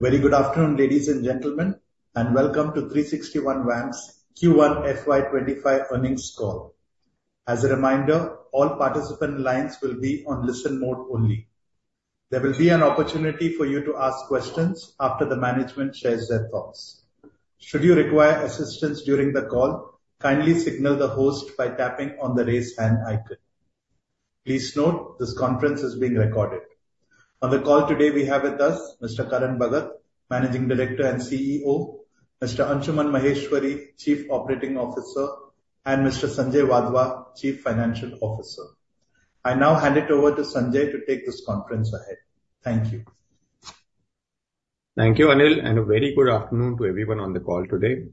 Very good afternoon, ladies and gentlemen, and welcome to 360 ONE WAM's Q1 FY 2025 Earnings Call. As a reminder, all participant lines will be on listen mode only. There will be an opportunity for you to ask questions after the management shares their thoughts. Should you require assistance during the call, kindly signal the host by tapping on the raise hand icon. Please note, this conference is being recorded. On the call today, we have with us Mr. Karan Bhagat, Managing Director and CEO, Mr. Anshuman Maheshwary, Chief Operating Officer, and Mr. Sanjay Wadhwa, Chief Financial Officer. I now hand it over to Sanjay to take this conference ahead. Thank you. Thank you, Anil, and a very good afternoon to everyone on the call today.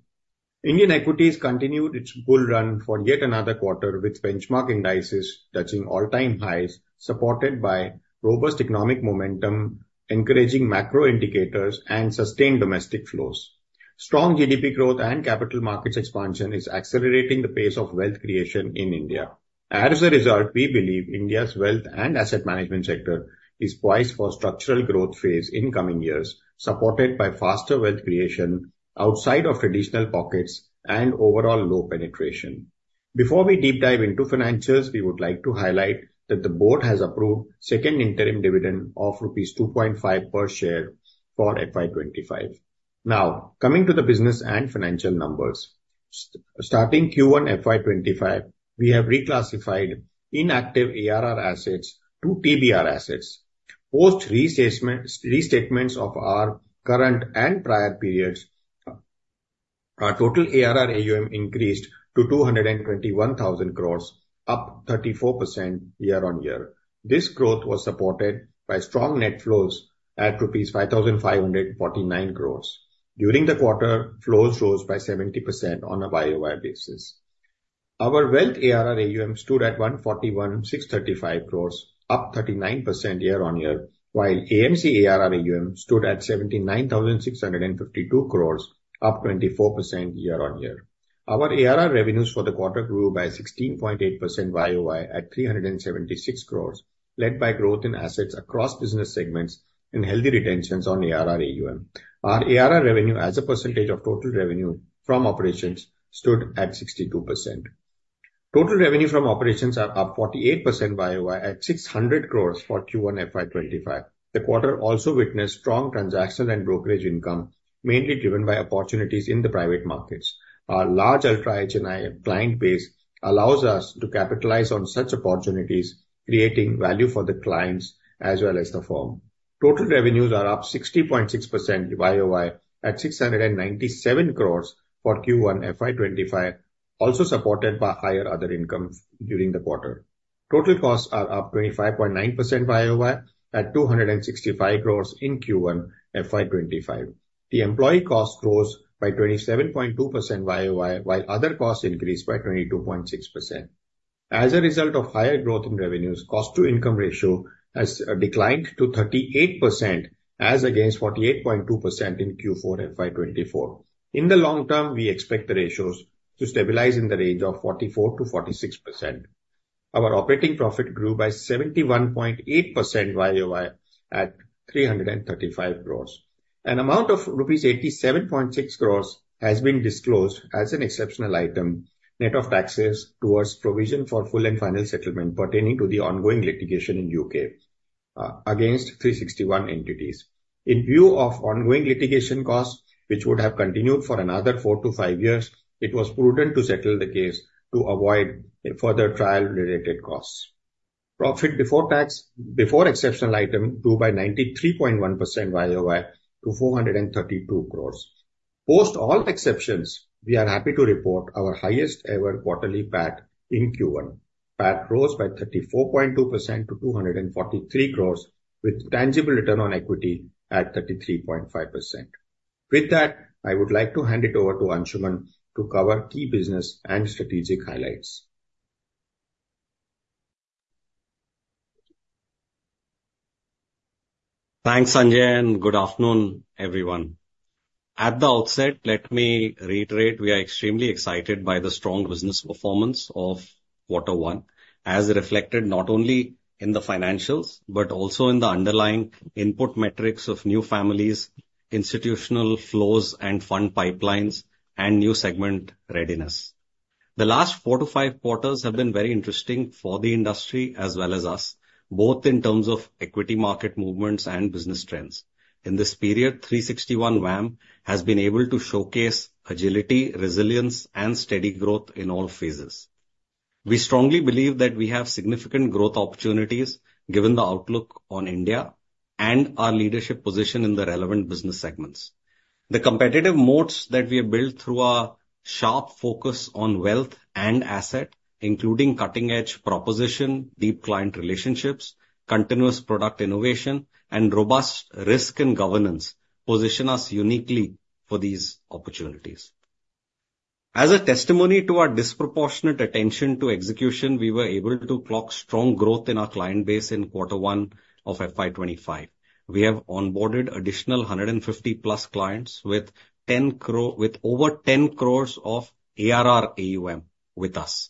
Indian equities continued its bull run for yet another quarter, with benchmark indices touching all-time highs, supported by robust economic momentum, encouraging macro indicators, and sustained domestic flows. Strong GDP growth and capital markets expansion is accelerating the pace of wealth creation in India. As a result, we believe India's wealth and asset management sector is poised for a structural growth phase in coming years, supported by faster wealth creation outside of traditional pockets and overall low penetration. Before we deep dive into financials, we would like to highlight that the board has approved a second interim dividend of rupees 2.5 per share for FY 2025. Now, coming to the business and financial numbers, starting Q1 FY 2025, we have reclassified inactive ARR assets to TBR assets. Post re-statements of our current and prior periods, our total ARR AUM increased to 221,000 crore, up 34% year-on-year. This growth was supported by strong net flows at rupees 5,549 crore. During the quarter, flows rose by 70% on a Y-o-Y basis. Our wealth ARR AUM stood at 141,635 crore, up 39% year-on-year, while AMC ARR AUM stood at 79,652 crore, up 24% year-on-year. Our ARR revenues for the quarter grew by 16.8% Y-o-Y at 376 crore, led by growth in assets across business segments and healthy retentions on ARR AUM. Our ARR revenue, as a percentage of total revenue from operations, stood at 62%. Total revenue from operations is up 48% Y-o-Y at 600 crore for Q1 FY 2025. The quarter also witnessed strong transactional and brokerage income, mainly driven by opportunities in the private markets. Our large ultra-HNI client base allows us to capitalize on such opportunities, creating value for the clients as well as the firm. Total revenues are up 60.6% Y-o-Y at 697 crores for Q1 FY 2025, also supported by higher other incomes during the quarter. Total costs are up 25.9% Y-o-Y at 265 crores in Q1 FY 2025. The employee costs rose by 27.2% Y-o-Y, while other costs increased by 22.6%. As a result of higher growth in revenues, cost-to-income ratio has declined to 38%, as against 48.2% in Q4 FY 2024. In the long term, we expect the ratios to stabilize in the range of 44%-46%. Our operating profit grew by 71.8% Y-o-Y at 335 crores. An amount of rupees 87.6 crores has been disclosed as an exceptional item, net of taxes, towards provision for full and final settlement pertaining to the ongoing litigation in the U.K. against 360 ONE entities. In view of ongoing litigation costs, which would have continued for another 4-5 years, it was prudent to settle the case to avoid further trial-related costs. Profit before exceptional item grew by 93.1% Y-o-Y to 432 crores. Post all exceptions, we are happy to report our highest-ever quarterly PAT in Q1. PAT rose by 34.2% to 243 crores, with tangible return on equity at 33.5%. With that, I would like to hand it over to Anshuman to cover key business and strategic highlights. Thanks, Sanjay, and good afternoon, everyone. At the outset, let me reiterate, we are extremely excited by the strong business performance of Q1, as reflected not only in the financials but also in the underlying input metrics of new families, institutional flows and fund pipelines, and new segment readiness. The last four to five quarters have been very interesting for the industry as well as us, both in terms of equity market movements and business trends. In this period, 360 ONE WAM has been able to showcase agility, resilience, and steady growth in all phases. We strongly believe that we have significant growth opportunities given the outlook on India and our leadership position in the relevant business segments. The competitive moats that we have built through our sharp focus on wealth and asset, including cutting-edge proposition, deep client relationships, continuous product innovation, and robust risk and governance, position us uniquely for these opportunities. As a testimony to our disproportionate attention to execution, we were able to clock strong growth in our client base in Q1 of FY 2025. We have onboarded additional 150+ clients with over 10 crore of ARR AUM with us,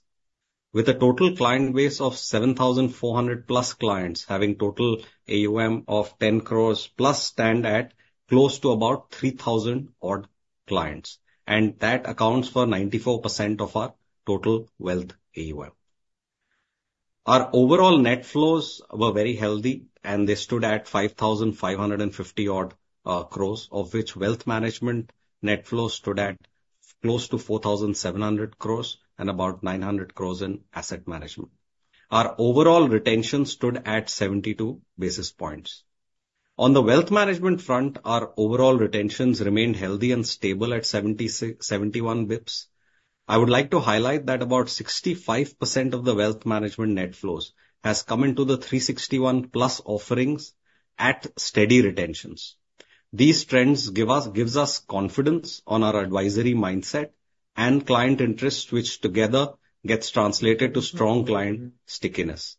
with a total client base of 7,400 plus clients having total AUM of 10 crore plus stand at close to about 3,000-odd clients, and that accounts for 94% of our total wealth AUM. Our overall net flows were very healthy, and they stood at 5,550 crore, of which wealth management net flows stood at close to 4,700 crore and about 900 crore in asset management. Our overall retention stood at 72 basis points. On the wealth management front, our overall retentions remained healthy and stable at 71 basis points. I would like to highlight that about 65% of the wealth management net flows has come into the 360 ONE Plus offerings at steady retentions. These trends give us confidence on our advisory mindset and client interest, which together gets translated to strong client stickiness.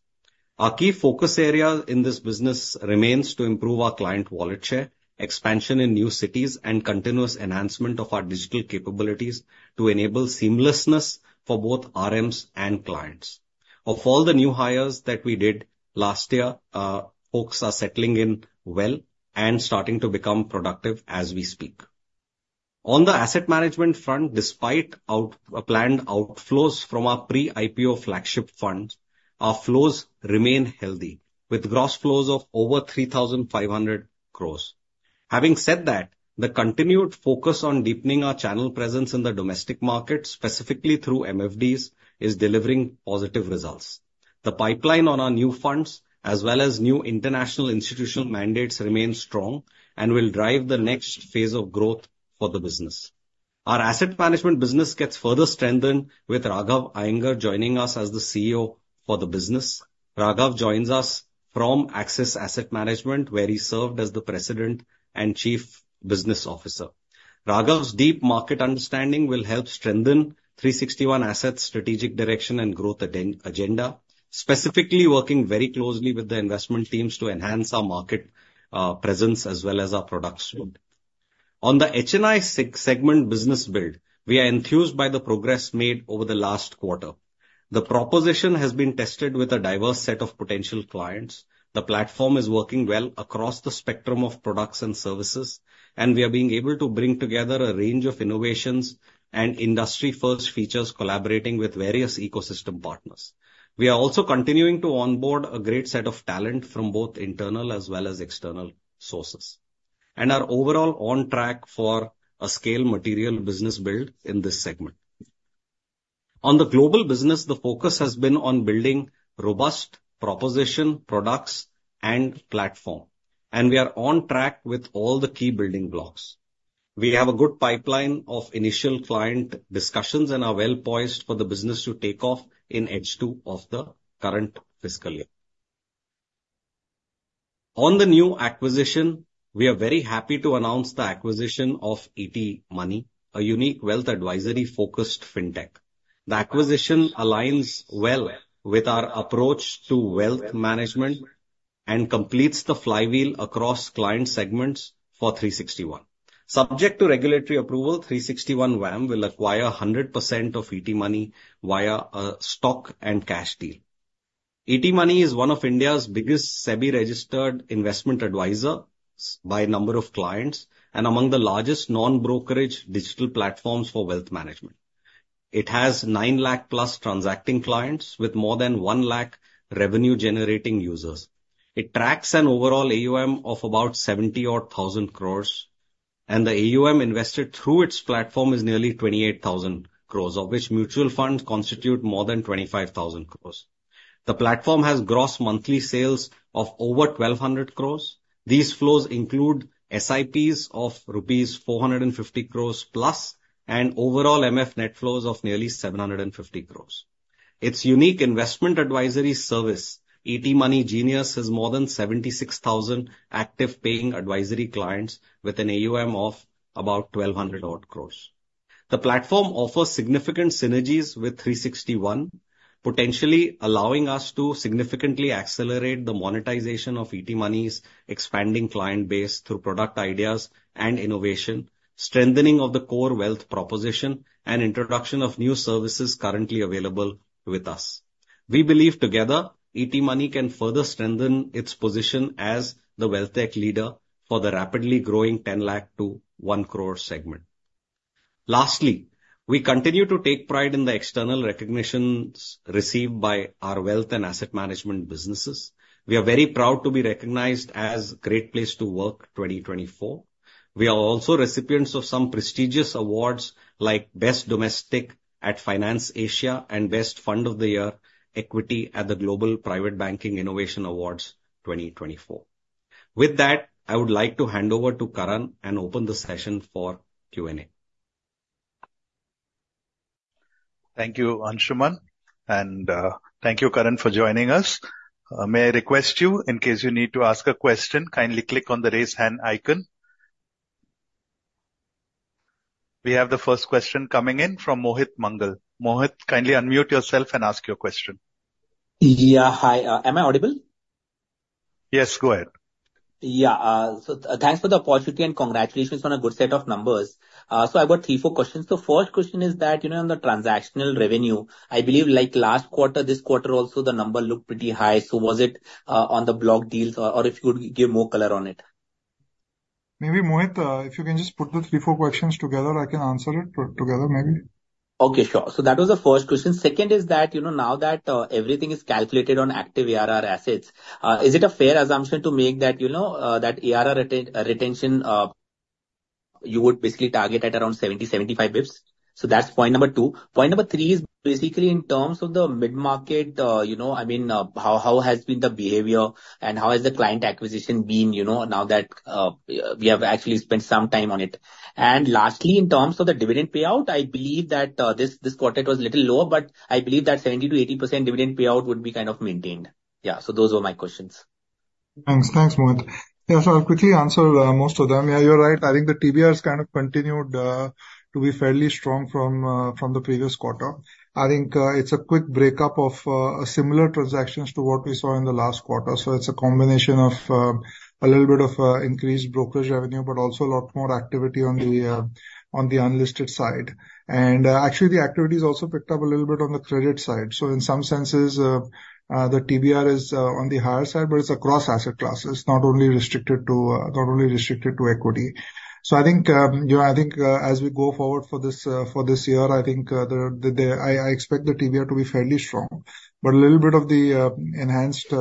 Our key focus area in this business remains to improve our client wallet share, expansion in new cities, and continuous enhancement of our digital capabilities to enable seamlessness for both RMs and clients. Of all the new hires that we did last year, folks are settling in well and starting to become productive as we speak. On the asset management front, despite planned outflows from our pre-IPO flagship fund, our flows remain healthy, with gross flows of over ₹3,500 crores. Having said that, the continued focus on deepening our channel presence in the domestic market, specifically through MFDs, is delivering positive results. The pipeline on our new funds, as well as new international institutional mandates, remains strong and will drive the next phase of growth for the business. Our asset management business gets further strengthened with Raghav Iyengar joining us as the CEO for the business. Raghav joins us from Axis Asset Management, where he served as the President and Chief Business Officer. Raghav's deep market understanding will help strengthen 360 ONE Asset's strategic direction and growth agenda, specifically working very closely with the investment teams to enhance our market presence as well as our products. On the HNI segment business build, we are enthused by the progress made over the last quarter. The proposition has been tested with a diverse set of potential clients. The platform is working well across the spectrum of products and services, and we are being able to bring together a range of innovations and industry-first features, collaborating with various ecosystem partners. We are also continuing to onboard a great set of talent from both internal as well as external sources, and are overall on track for a scale-material business build in this segment. On the global business, the focus has been on building robust proposition, products, and platform, and we are on track with all the key building blocks. We have a good pipeline of initial client discussions, and are well poised for the business to take off in H2 of the current fiscal year. On the new acquisition, we are very happy to announce the acquisition of ET Money, a unique wealth advisory-focused fintech. The acquisition aligns well with our approach to wealth management and completes the flywheel across client segments for 360 ONE. Subject to regulatory approval, 360 ONE WAM will acquire 100% of ET Money via a stock and cash deal. ET Money is one of India's biggest SEBI-registered investment advisors by number of clients and among the largest non-brokerage digital platforms for wealth management. It has 9,000,000-plus transacting clients with more than 1,000,000 revenue-generating users. It tracks an overall AUM of about 70,000 crores, and the AUM invested through its platform is nearly 28,000 crores, of which mutual funds constitute more than 25,000 crores. The platform has gross monthly sales of over 1,200 crores. These flows include SIPs of rupees 450 crores plus and overall MF net flows of nearly 750 crores. Its unique investment advisory service, ET Money Genius, has more than 76,000 active paying advisory clients with an AUM of about 1,200 crores. The platform offers significant synergies with 360 ONE, potentially allowing us to significantly accelerate the monetization of ET Money's expanding client base through product ideas and innovation, strengthening of the core wealth proposition, and introduction of new services currently available with us. We believe together, ET Money can further strengthen its position as the wealth tech leader for the rapidly growing 10 lakhs to 1 crore segment. Lastly, we continue to take pride in the external recognitions received by our wealth and asset management businesses. We are very proud to be recognized as Great Place to Work 2024. We are also recipients of some prestigious awards like Best Domestic at FinanceAsia and Best Fund of the Year Equity at the Global Private Banking Innovation Awards 2024. With that, I would like to hand over to Karan and open the session for Q&A. Thank you, Anshuman, and thank you, Karan, for joining us. May I request you, in case you need to ask a question, kindly click on the raise hand icon. We have the first question coming in from Mohit Mangal. Mohit, kindly unmute yourself and ask your question. Yeah, hi. Am I audible? Yes, go ahead. Yeah. So thanks for the opportunity and congratulations on a good set of numbers. So I've got three, four questions. The first question is that, you know, on the transactional revenue, I believe like last quarter, this quarter also the number looked pretty high. So was it on the block deals or if you could give more color on it? Maybe, Mohit, if you can just put the 3, 4 questions together, I can answer it together, maybe. Okay, sure. So that was the first question. Second is that, you know, now that everything is calculated on active ARR assets, is it a fair assumption to make that, you know, that ARR retention you would basically target at around 70, 75 bps? So that's point number two. Point number three is basically in terms of the mid-market, you know, I mean, how has been the behavior and how has the client acquisition been, you know, now that we have actually spent some time on it? And lastly, in terms of the dividend payout, I believe that this quarter was a little lower, but I believe that 70%-80% dividend payout would be kind of maintained. Yeah, so those were my questions. Thanks, thanks, Mohit. Yeah, so I'll quickly answer most of them. Yeah, you're right. I think the TBR has kind of continued to be fairly strong from the previous quarter. I think it's a quick breakup of similar transactions to what we saw in the last quarter. So it's a combination of a little bit of increased brokerage revenue, but also a lot more activity on the unlisted side. And actually, the activity has also picked up a little bit on the credit side. So in some senses, the TBR is on the higher side, but it's across asset classes. It's not only restricted to equity. So, I think, you know, I think as we go forward for this year, I think I expect the TBR to be fairly strong, but a little bit of the enhanced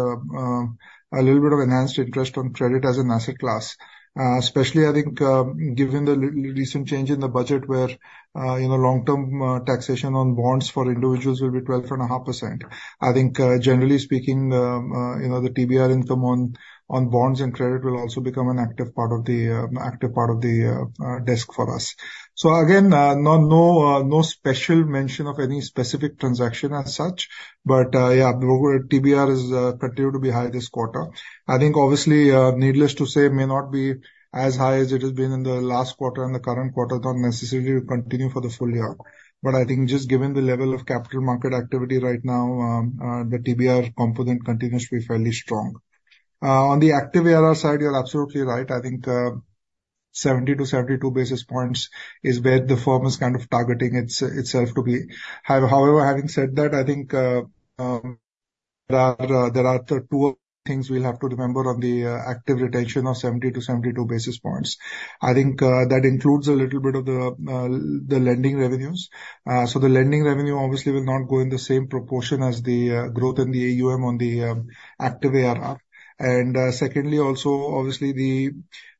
interest on credit as an asset class, especially I think given the recent change in the budget where, you know, long-term taxation on bonds for individuals will be 12.5%. I think generally speaking, you know, the TBR income on bonds and credit will also become an active part of the active part of the desk for us. So again, no special mention of any specific transaction as such, but yeah, the TBR has continued to be high this quarter. I think obviously needless to say, it may not be as high as it has been in the last quarter and the current quarter don't necessarily continue for the full year. But I think just given the level of capital market activity right now, the TBR component continues to be fairly strong. On the active ARR side, you're absolutely right. I think 70-72 basis points is where the firm is kind of targeting itself to be. However, having said that, I think there are two things we'll have to remember on the active retention of 70-72 basis points. I think that includes a little bit of the lending revenues. So the lending revenue obviously will not go in the same proportion as the growth in the AUM on the active ARR. And secondly, also obviously the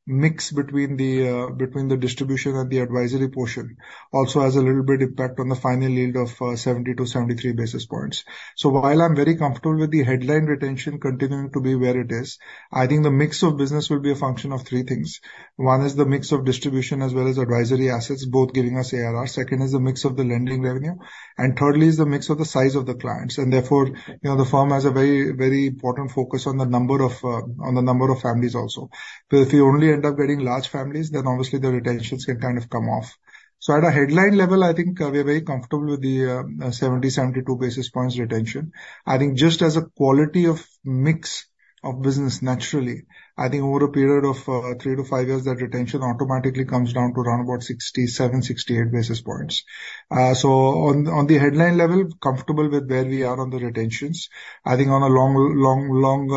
mix between the distribution and the advisory portion also has a little bit of impact on the final yield of 70-73 basis points. So while I'm very comfortable with the headline retention continuing to be where it is, I think the mix of business will be a function of three things. One is the mix of distribution as well as advisory assets, both giving us ARR. Second is the mix of the lending revenue. And thirdly is the mix of the size of the clients. And therefore, you know, the firm has a very, very important focus on the number of families also. But if we only end up getting large families, then obviously the retentions can kind of come off. So at a headline level, I think we're very comfortable with the 70%-72% basis points retention. I think just as a quality of mix of business, naturally, I think over a period of three to five years, that retention automatically comes down to around about 67%-68% basis points. So on the headline level, comfortable with where we are on the retentions. I think on a long, long, long,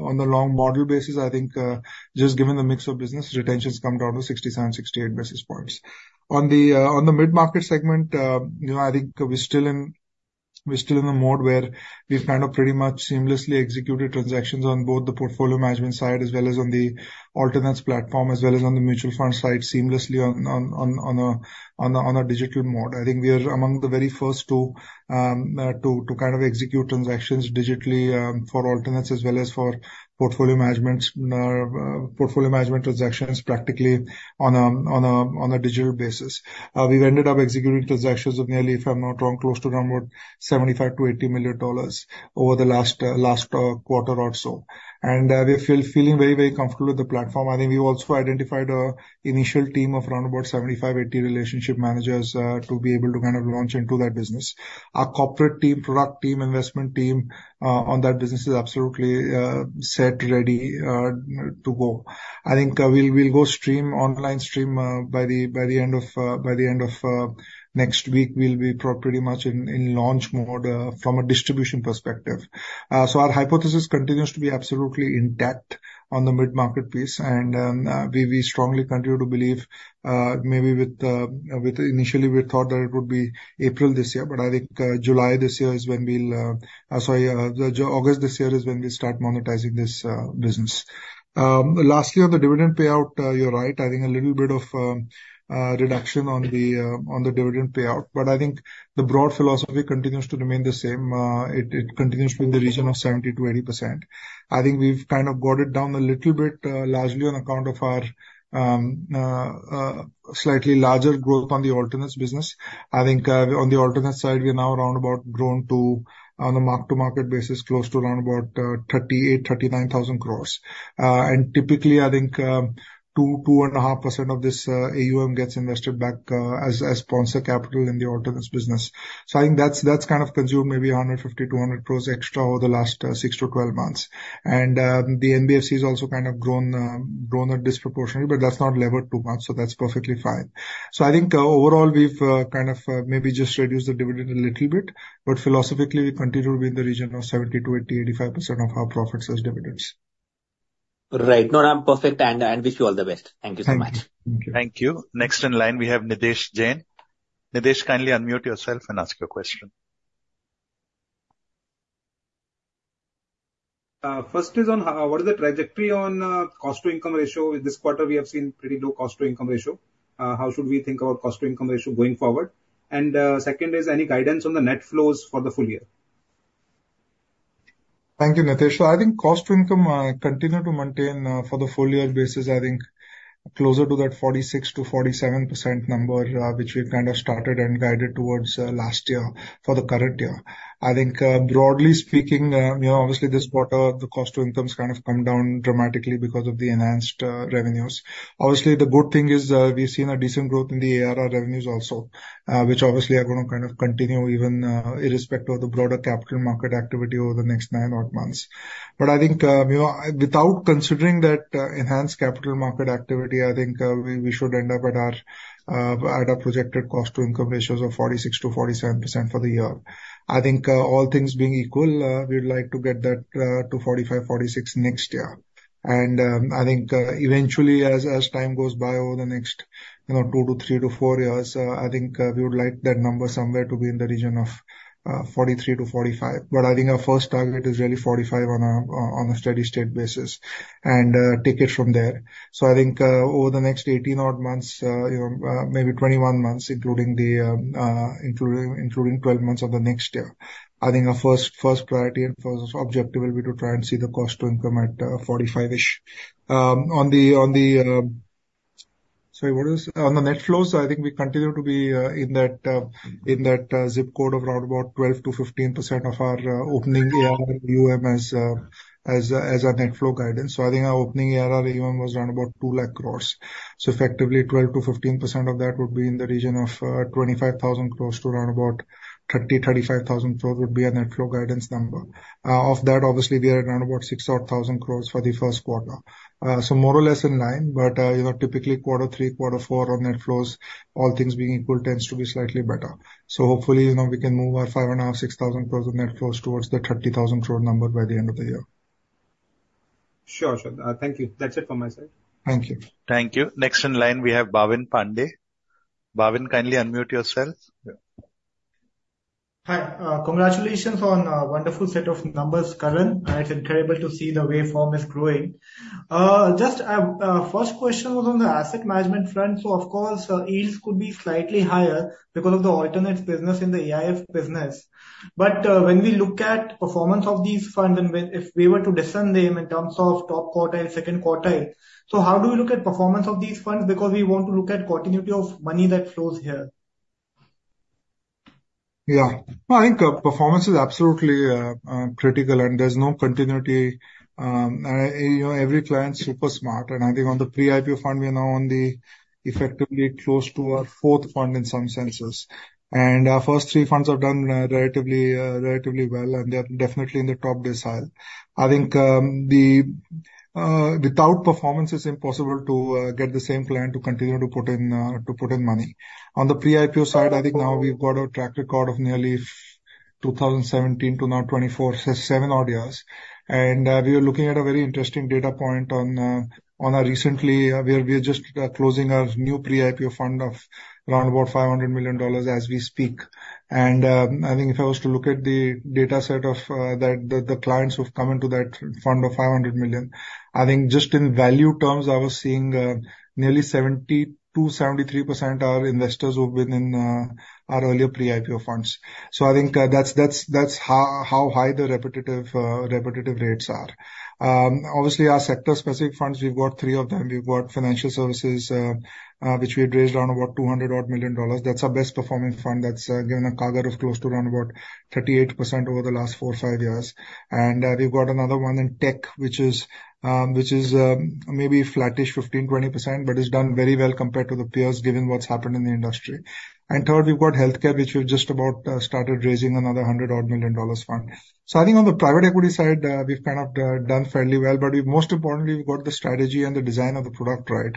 on the long model basis, I think just given the mix of business, retentions come down to 67 to 68 basis points. On the mid-market segment, you know, I think we're still in the mode where we've kind of pretty much seamlessly executed transactions on both the portfolio management side as well as on the alternatives platform as well as on the mutual fund side seamlessly on a digital mode. I think we are among the very first two to kind of execute transactions digitally for alternatives as well as for portfolio management, portfolio management transactions practically on a digital basis. We've ended up executing transactions of nearly, if I'm not wrong, close to around about $75 million-$80 million over the last quarter or so. We're feeling very, very comfortable with the platform. I think we also identified an initial team of around about 75-80 relationship managers to be able to kind of launch into that business. Our corporate team, product team, investment team on that business is absolutely set ready to go. I think we'll go stream online stream by the end of next week, we'll be pretty much in launch mode from a distribution perspective. So our hypothesis continues to be absolutely intact on the mid-market piece. And we strongly continue to believe maybe with initially we thought that it would be April this year, but I think July this year is when we'll, sorry, August this year is when we'll start monetizing this business. Lastly, on the dividend payout, you're right. I think a little bit of reduction on the dividend payout, but I think the broad philosophy continues to remain the same. It continues to be in the region of 70%-80%. I think we've kind of got it down a little bit largely on account of our slightly larger growth on the alternatives business. I think on the alternative side, we're now around about grown to on a mark-to-market basis close to around about 38,000-39,000 crore. And typically, I think 2%-2.5% of this AUM gets invested back as sponsor capital in the alternatives business. So I think that's kind of consumed maybe 150-200 crore extra over the last 6 to 12 months. And the NBFC has also kind of grown disproportionately, but that's not levered too much, so that's perfectly fine. So I think overall we've kind of maybe just reduced the dividend a little bit, but philosophically we continue to be in the region of 70%-80%, 85% of our profits as dividends. Right. No, I'm perfect. I wish you all the best. Thank you so much. Thank you. Next in line, we have Nitesh Jain. Nitesh, kindly unmute yourself and ask your question. First is on what is the trajectory on cost-to-income ratio? This quarter we have seen pretty low cost-to-income ratio. How should we think about cost-to-income ratio going forward? And second is any guidance on the net flows for the full year? Thank you, Nitesh. So I think cost-to-income continue to maintain for the full year basis, I think closer to that 46%-47% number, which we've kind of started and guided towards last year for the current year. I think broadly speaking, you know, obviously this quarter the cost-to-income has kind of come down dramatically because of the enhanced revenues. Obviously, the good thing is we've seen a decent growth in the ARR revenues also, which obviously are going to kind of continue even irrespective of the broader capital market activity over the next nine or months. But I think without considering that enhanced capital market activity, I think we should end up at our projected cost-to-income ratios of 46%-47% for the year. I think all things being equal, we'd like to get that to 45%-46% next year. I think eventually as time goes by over the next 2 to 3 to 4 years, I think we would like that number somewhere to be in the region of 43%-45%. But I think our first target is really 45% on a steady-state basis and take it from there. So I think over the next 18-odd months, maybe 21 months, including 12 months of the next year, I think our first priority and first objective will be to try and see the cost-to-income at 45%-ish. On the, sorry, what is on the net flows, I think we continue to be in that zip code of around about 12%-15% of our opening ARR AUM as our net flow guidance. So I think our opening ARR AUM was around about 200,000 crore. So effectively 12%-15% of that would be in the region of 25,000 crore to around about 30,000-35,000 crore would be our net flow guidance number. Of that, obviously we are at around about 600,000 crore for the first quarter. So more or less in line, but you know, typically quarter three, quarter four on net flows, all things being equal, tends to be slightly better. So hopefully, you know, we can move our 5,500-6,000 crore of net flows towards the 30,000 crore number by the end of the year. Sure, sure. Thank you. That's it from my side. Thank you. Thank you. Next in line, we have Bhavin Pande. Bhavin, kindly unmute yourself. Hi. Congratulations on a wonderful set of numbers, Karan. It's incredible to see the way firm is growing. Just our first question was on the asset management front. So of course, yields could be slightly higher because of the alternatives business in the AIF business. But when we look at the performance of these funds and if we were to discern them in terms of top quartile, second quartile, so how do we look at the performance of these funds? Because we want to look at the continuity of money that flows here. Yeah. I think performance is absolutely critical and there's no continuity. You know, every client is super smart. I think on the Pre-IPO Fund, we are now effectively close to our fourth fund in some senses. Our first three funds have done relatively well and they are definitely in the top decile. I think without performance, it's impossible to get the same client to continue to put in money. On the pre-IPO side, I think now we've got a track record of nearly 2017 to 2024, seven odd years. We are looking at a very interesting data point on our recently, where we are just closing our new pre-IPO fund of around about $500 million as we speak. And I think if I was to look at the data set of the clients who've come into that fund of $500 million, I think just in value terms, I was seeing nearly 70%-73% of our investors who've been in our earlier pre-IPO funds. So I think that's how high the repetitive rates are. Obviously, our sector-specific funds, we've got three of them. We've got financial services, which we've raised around about $200 million. That's our best-performing fund. That's given a CAGR of close to around about 38% over the last four or five years. And we've got another one in tech, which is maybe flattish 15%-20%, but it's done very well compared to the peers given what's happened in the industry. And third, we've got healthcare, which we've just about started raising another $100 million fund. So I think on the private equity side, we've kind of done fairly well, but most importantly, we've got the strategy and the design of the product right.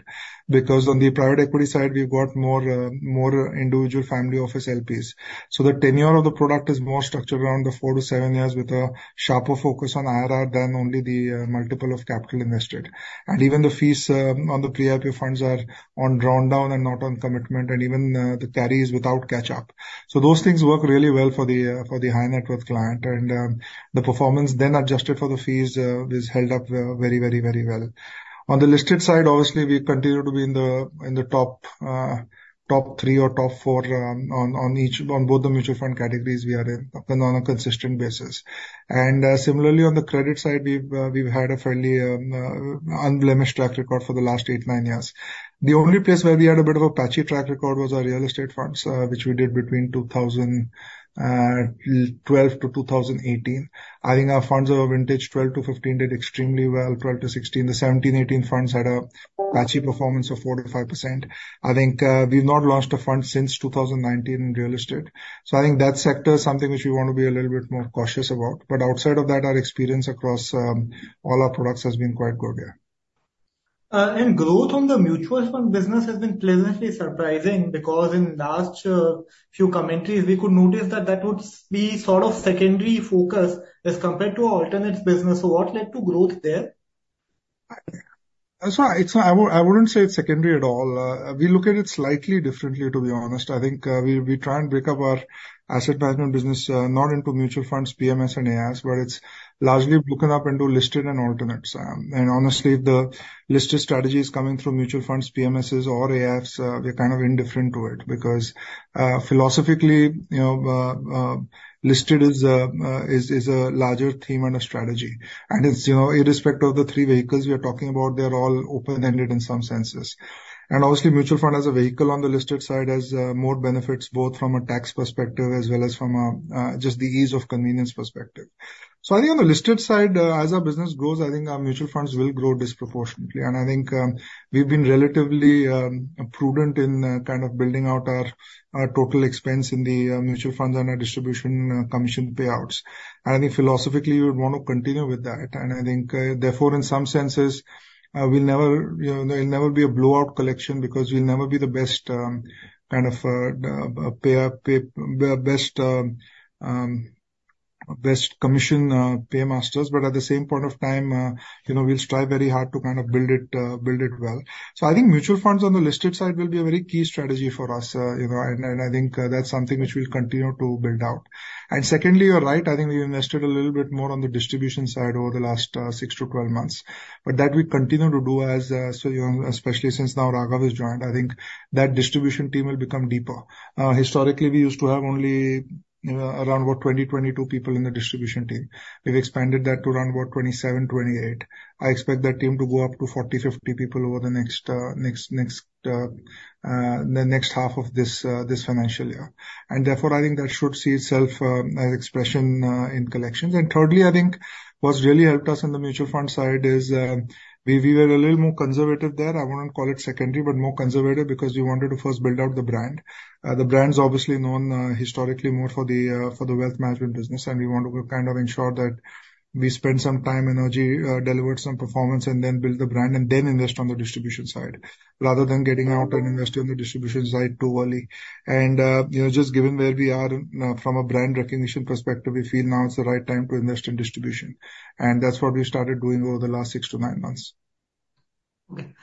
Because on the private equity side, we've got more individual family office LPs. So the tenure of the product is more structured around the 4-7 years with a sharper focus on IRR than only the multiple of capital invested. And even the fees on the pre-IPO funds are on drawn down and not on commitment, and even the carry is without catch-up. So those things work really well for the high net worth client. And the performance then adjusted for the fees is held up very, very, very well. On the listed side, obviously, we continue to be in the top 3 or top 4 on both the mutual fund categories we are in on a consistent basis. Similarly, on the credit side, we've had a fairly unblemished track record for the last 8-9 years. The only place where we had a bit of a patchy track record was our real estate funds, which we did between 2012-2018. I think our funds of vintage 12-15 did extremely well, 12-16. The 17, 18 funds had a patchy performance of 4%-5%. I think we've not launched a fund since 2019 in real estate. So I think that sector is something which we want to be a little bit more cautious about. But outside of that, our experience across all our products has been quite good here. Growth on the mutual fund business has been pleasantly surprising because in the last few commentaries, we could notice that that would be sort of secondary focus as compared to our alternatives business. What led to growth there? So I wouldn't say it's secondary at all. We look at it slightly differently, to be honest. I think we try and break up our asset management business not into mutual funds, PMS, and AIFs, but it's largely looking up into listed and alternatives. And honestly, if the listed strategy is coming through mutual funds, PMSs, or AIFs, we're kind of indifferent to it because philosophically, listed is a larger theme and a strategy. And irrespective of the three vehicles we are talking about, they're all open-ended in some senses. And obviously, mutual fund as a vehicle on the listed side has more benefits both from a tax perspective as well as from just the ease of convenience perspective. So I think on the listed side, as our business grows, I think our mutual funds will grow disproportionately. I think we've been relatively prudent in kind of building out our total expense in the mutual funds and our distribution commission payouts. I think philosophically, we would want to continue with that. I think therefore, in some senses, there will never be a blowout collection because we'll never be the best kind of best commission pay masters. But at the same point of time, we'll strive very hard to kind of build it well. So I think mutual funds on the listed side will be a very key strategy for us. I think that's something which we'll continue to build out. And secondly, you're right. I think we invested a little bit more on the distribution side over the last 6-12 months. But that we continue to do as, especially since now Raghav has joined, I think that distribution team will become deeper. Historically, we used to have only around about 20-22 people in the distribution team. We've expanded that to around about 27-28. I expect that team to go up to 40-50 people over the next half of this financial year. And therefore, I think that should see itself as expression in collections. And thirdly, I think what's really helped us on the mutual fund side is we were a little more conservative there. I wouldn't call it secondary, but more conservative because we wanted to first build out the brand. The brand's obviously known historically more for the wealth management business. And we want to kind of ensure that we spend some time, energy, deliver some performance, and then build the brand and then invest on the distribution side rather than getting out and investing on the distribution side too early. Just given where we are from a brand recognition perspective, we feel now it's the right time to invest in distribution. That's what we started doing over the last 6-9 months. Okay.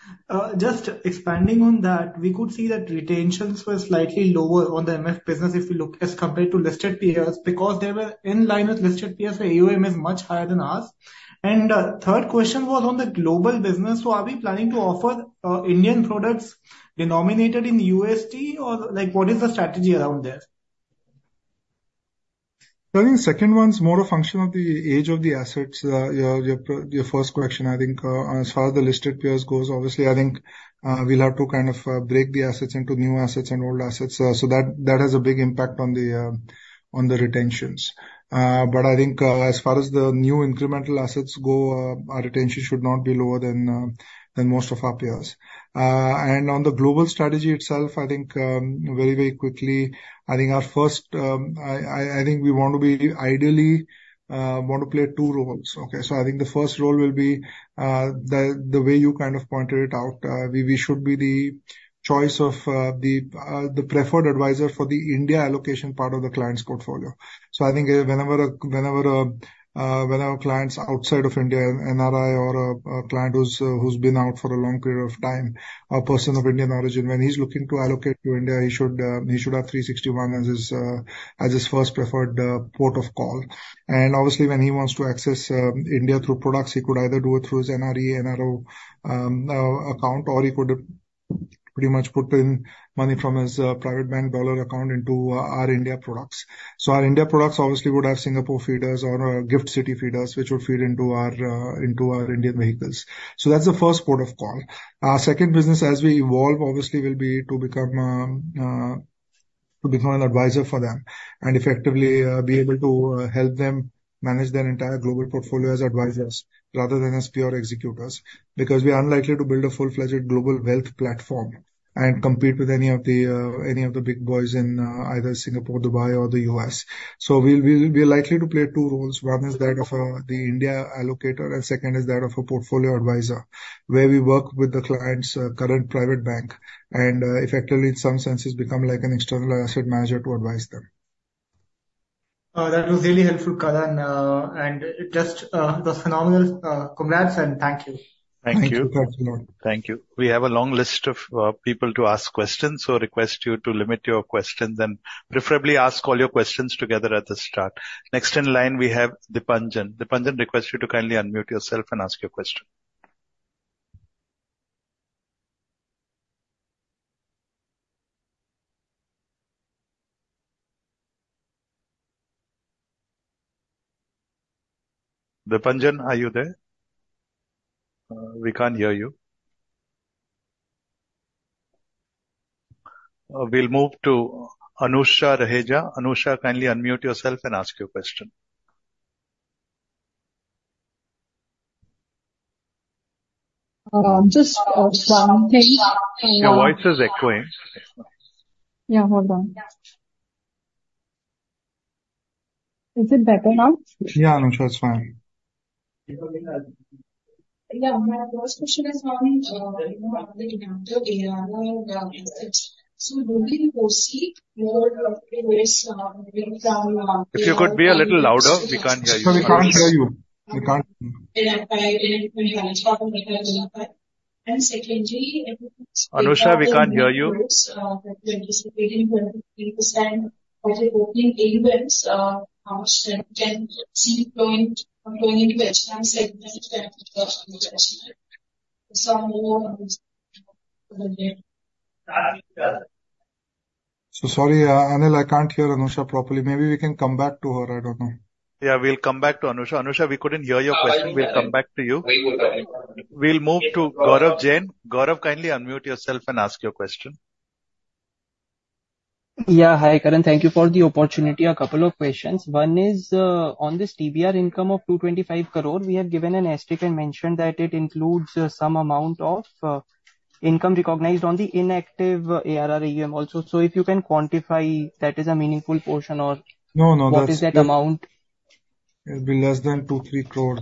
Just expanding on that, we could see that retentions were slightly lower on the MF business if we look as compared to listed peers because they were in line with listed peers. The AUM is much higher than ours. And third question was on the global business. So are we planning to offer Indian products denominated in USD? Or what is the strategy around there? I think second one's more a function of the age of the assets. Your first question, I think, as far as the listed peers goes, obviously, I think we'll have to kind of break the assets into new assets and old assets. So that has a big impact on the retentions. But I think as far as the new incremental assets go, our retention should not be lower than most of our peers. And on the global strategy itself, I think very, very quickly, I think our first, I think we want to be ideally want to play two roles. Okay. So I think the first role will be the way you kind of pointed it out. We should be the choice of the preferred advisor for the India allocation part of the client's portfolio. So I think whenever a client's outside of India, an NRI or a client who's been out for a long period of time, a person of Indian origin, when he's looking to allocate to India, he should have 360 ONE as his first preferred port of call. And obviously, when he wants to access India through products, he could either do it through his NRE, NRO account, or he could pretty much put in money from his private bank U.S. dollar account into our India products. So our India products obviously would have Singapore feeders or GIFT City feeders, which would feed into our Indian vehicles. So that's the first port of call. Our second business, as we evolve, obviously will be to become an advisor for them and effectively be able to help them manage their entire global portfolio as advisors rather than as pure executors because we are unlikely to build a full-fledged global wealth platform and compete with any of the big boys in either Singapore, Dubai, or the US. We're likely to play two roles. One is that of the India allocator, and second is that of a portfolio advisor where we work with the client's current private bank and effectively, in some senses, become like an external asset manager to advise them. That was really helpful, Karan. Just the phenomenal congrats and thank you. Thank you. Thank you. Thank you. We have a long list of people to ask questions. So request you to limit your questions and preferably ask all your questions together at the start. Next in line, we have Dipanjan. Dipanjan, request you to kindly unmute yourself and ask your question. Dipanjan, are you there? We can't hear you. We'll move to Anusha Raheja. Anusha, kindly unmute yourself and ask your question. Just one thing. Your voice is echoing. Yeah, hold on. Is it better now? Yeah, Anusha, it's fine. If you could be a little louder, we can't hear you. We can't hear you. We can't. And secondly, Anusha, we can't hear you. So sorry, Anil, I can't hear Anusha properly. Maybe we can come back to her. I don't know. Yeah, we'll come back to Anusha. Anusha, we couldn't hear your question. We'll come back to you. We'll move to Gaurav Jani. Gaurav, kindly unmute yourself and ask your question. Yeah, hi Karan. Thank you for the opportunity. A couple of questions. One is on this TBR income of 225 crore, we have given an estimate and mentioned that it includes some amount of income recognized on the inactive ARR AUM also. So if you can quantify that as a meaningful portion or what is that amount? It'll be less than 2-3 crore.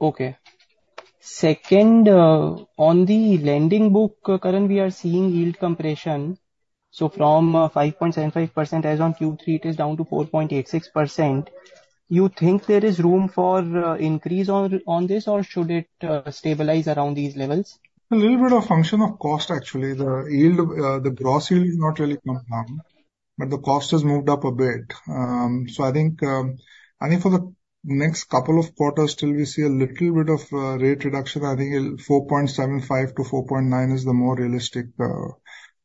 Okay. Second, on the lending book, Karan, we are seeing yield compression. So from 5.75% as on Q3, it is down to 4.86%. You think there is room for increase on this or should it stabilize around these levels? A little bit of function of cost, actually. The gross yield is not really confirmed, but the cost has moved up a bit. So I think I think for the next couple of quarters, still we see a little bit of rate reduction. I think 4.75-4.9 is the more realistic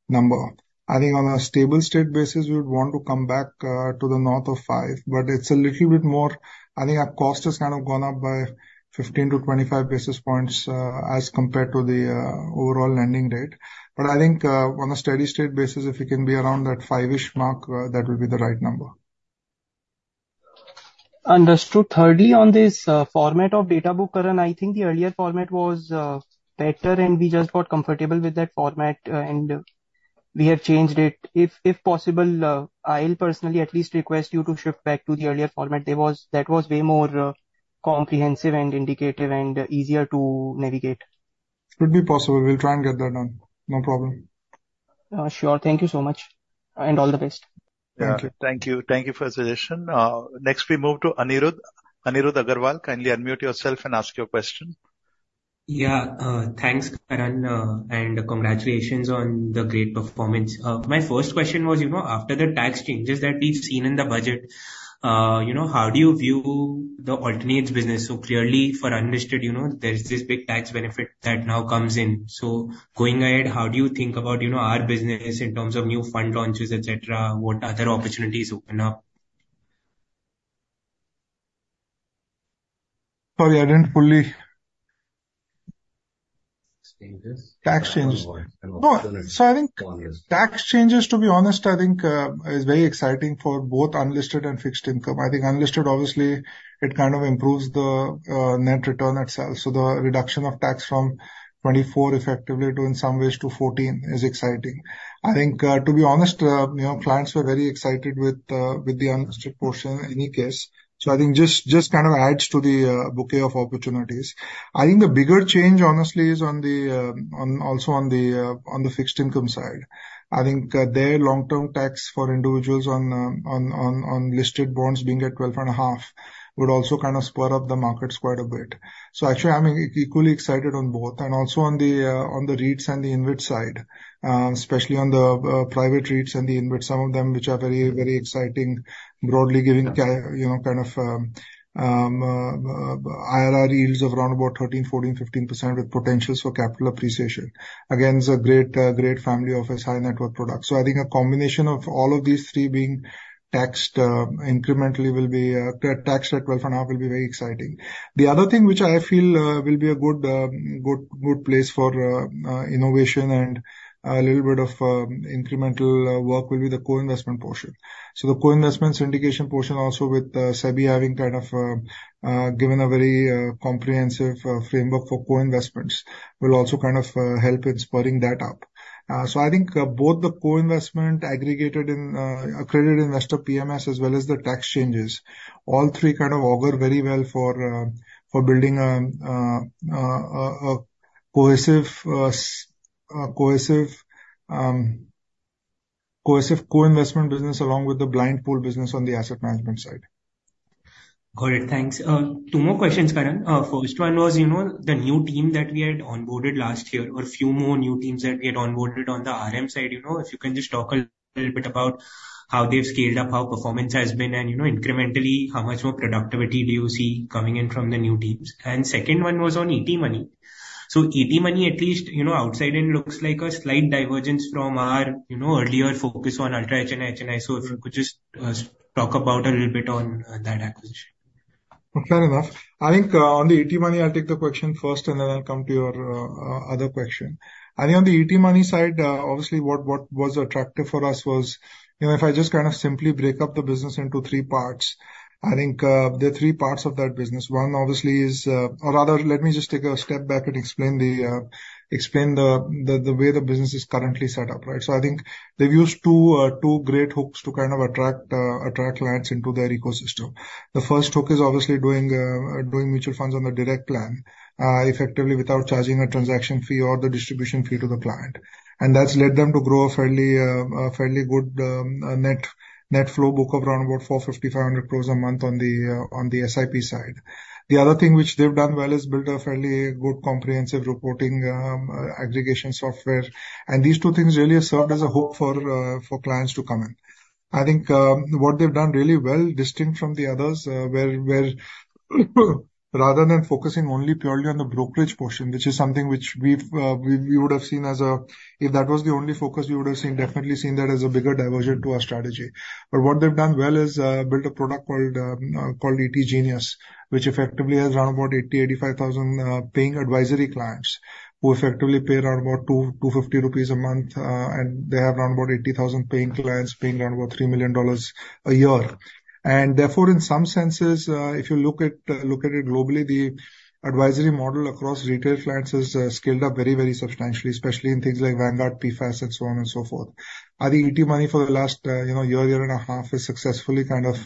number. I think on a stable state basis, we would want to come back to the north of 5, but it's a little bit more. I think our cost has kind of gone up by 15-25 basis points as compared to the overall lending rate. But I think on a steady state basis, if it can be around that 5-ish mark, that will be the right number. Understood. Thirdly, on this format of data book, Karan, I think the earlier format was better and we just got comfortable with that format and we have changed it. If possible, I'll personally at least request you to shift back to the earlier format. That was way more comprehensive and indicative and easier to navigate. It would be possible. We'll try and get that done. No problem. Sure. Thank you so much and all the best. Thank you. Thank you for the suggestion. Next, we move to Aniruddh. Anirudh Agarwal, kindly unmute yourself and ask your question. Yeah, thanks, Karan, and congratulations on the great performance. My first question was, after the tax changes that we've seen in the budget, how do you view the alternatives business? So clearly, for unlisted, there's this big tax benefit that now comes in. So going ahead, how do you think about our business in terms of new fund launches, etc.? What other opportunities open up? Sorry, I didn't fully. Tax changes. So I think tax changes, to be honest, I think is very exciting for both unlisted and fixed income. I think unlisted, obviously, it kind of improves the net return itself. So the reduction of tax from 24% effectively to, in some ways, to 14% is exciting. I think, to be honest, clients were very excited with the unlisted portion in any case. So I think just kind of adds to the bouquet of opportunities. I think the bigger change, honestly, is also on the fixed income side. I think their long-term tax for individuals on listed bonds being at 12.5% would also kind of spur up the markets quite a bit. So actually, I'm equally excited on both and also on the REITs and the InvITs side, especially on the private REITs and the InvITs, some of them which are very, very exciting, broadly giving kind of IRR yields of around about 13%-15% with potentials for capital appreciation. Again, it's a great family of AIF network products. So I think a combination of all of these three being taxed incrementally will be taxed at 12.5% will be very exciting. The other thing which I feel will be a good place for innovation and a little bit of incremental work will be the co-investment portion. So the co-investment syndication portion also with SEBI having kind of given a very comprehensive framework for co-investments will also kind of help in spurring that up. So I think both the co-investment aggregated in accredited investor PMS as well as the tax changes, all three kind of augur very well for building a cohesive co-investment business along with the blind pool business on the asset management side. Got it. Thanks. Two more questions, Karan. First one was the new team that we had onboarded last year or a few more new teams that we had onboarded on the RM side. If you can just talk a little bit about how they've scaled up, how performance has been, and incrementally, how much more productivity do you see coming in from the new teams? And second one was on ET Money. So ET Money, at least outside in, looks like a slight divergence from our earlier focus on Ultra HNIs, HNIs, SFOs. Could you just talk about a little bit on that acquisition? Okay, fair enough. I think on the ET Money, I'll take the question first and then I'll come to your other question. I think on the ET Money side, obviously, what was attractive for us was if I just kind of simply break up the business into three parts. I think there are three parts of that business. One, obviously, is rather, let me just take a step back and explain the way the business is currently set up, right? So I think they've used two great hooks to kind of attract clients into their ecosystem. The first hook is obviously doing mutual funds on the Direct Plan effectively without charging a transaction fee or the distribution fee to the client. And that's led them to grow a fairly good net flow book of around about 450-500 crore a month on the SIP side. The other thing which they've done well is build a fairly good comprehensive reporting aggregation software. These two things really have served as a hook for clients to come in. I think what they've done really well, distinct from the others, where rather than focusing only purely on the brokerage portion, which is something which we would have seen as if that was the only focus, we would have definitely seen that as a bigger diversion to our strategy. But what they've done well is built a product called ET Money Genius, which effectively has around about 80,000-85,000 paying advisory clients who effectively pay around about 250 rupees a month, and they have around about 80,000 paying clients paying around about $3 million a year. And therefore, in some senses, if you look at it globally, the advisory model across retail clients has scaled up very, very substantially, especially in things like Vanguard, PAS, and so on and so forth. I think ET Money for the last year, year and a half has successfully kind of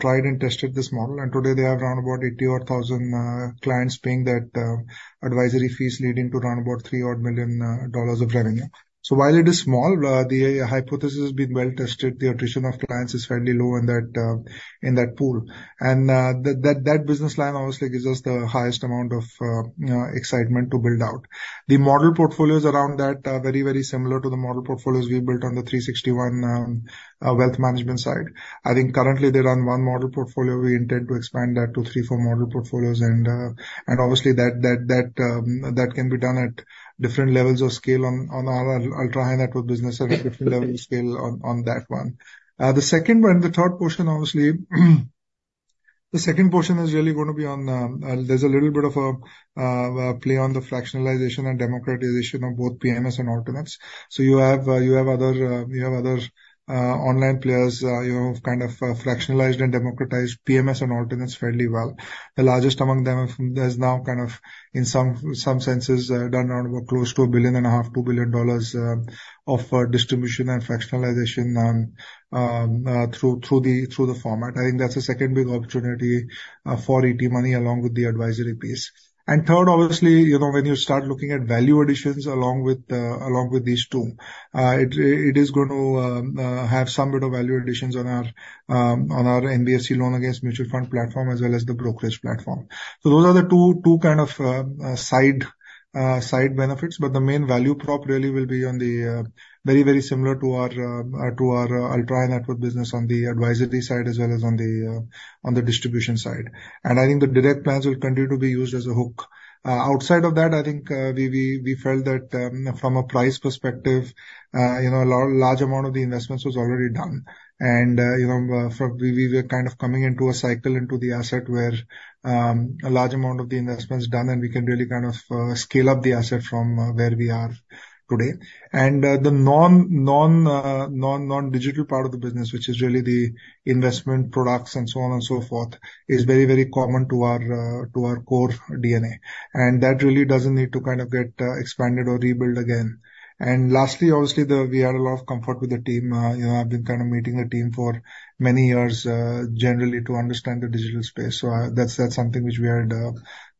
tried and tested this model. And today, they have around about 80 or 1,000 clients paying that advisory fees leading to around about $3 million of revenue. So while it is small, the hypothesis has been well tested. The attrition of clients is fairly low in that pool. And that business line obviously gives us the highest amount of excitement to build out. The model portfolios around that are very, very similar to the model portfolios we built on the 360 ONE Wealth management side. I think currently they run one model portfolio. We intend to expand that to 3-4 model portfolios. Obviously, that can be done at different levels of scale on our Ultra High Net Worth business and at different levels of scale on that one. The second one, the third portion, obviously, the second portion is really going to be on there's a little bit of a play on the fractionalization and democratization of both PMS and alternatives. So you have other online players who have kind of fractionalized and democratized PMS and alternatives fairly well. The largest among them has now kind of, in some senses, done around close to $1.5 billion-$2 billion of distribution and fractionalization through the format. I think that's a second big opportunity for ET Money along with the advisory piece. And third, obviously, when you start looking at value additions along with these two, it is going to have some bit of value additions on our NBFC loan against mutual fund platform as well as the brokerage platform. So those are the two kind of side benefits. But the main value prop really will be very, very similar to our Ultra High Net Worth business on the advisory side as well as on the distribution side. And I think the direct plans will continue to be used as a hook. Outside of that, I think we felt that from a price perspective, a large amount of the investments was already done. And we were kind of coming into a cycle into the asset where a large amount of the investments done, and we can really kind of scale up the asset from where we are today. The non-digital part of the business, which is really the investment products and so on and so forth, is very, very common to our core DNA. That really doesn't need to kind of get expanded or rebuilt again. Lastly, obviously, we had a lot of comfort with the team. I've been kind of meeting the team for many years generally to understand the digital space. That's something which we had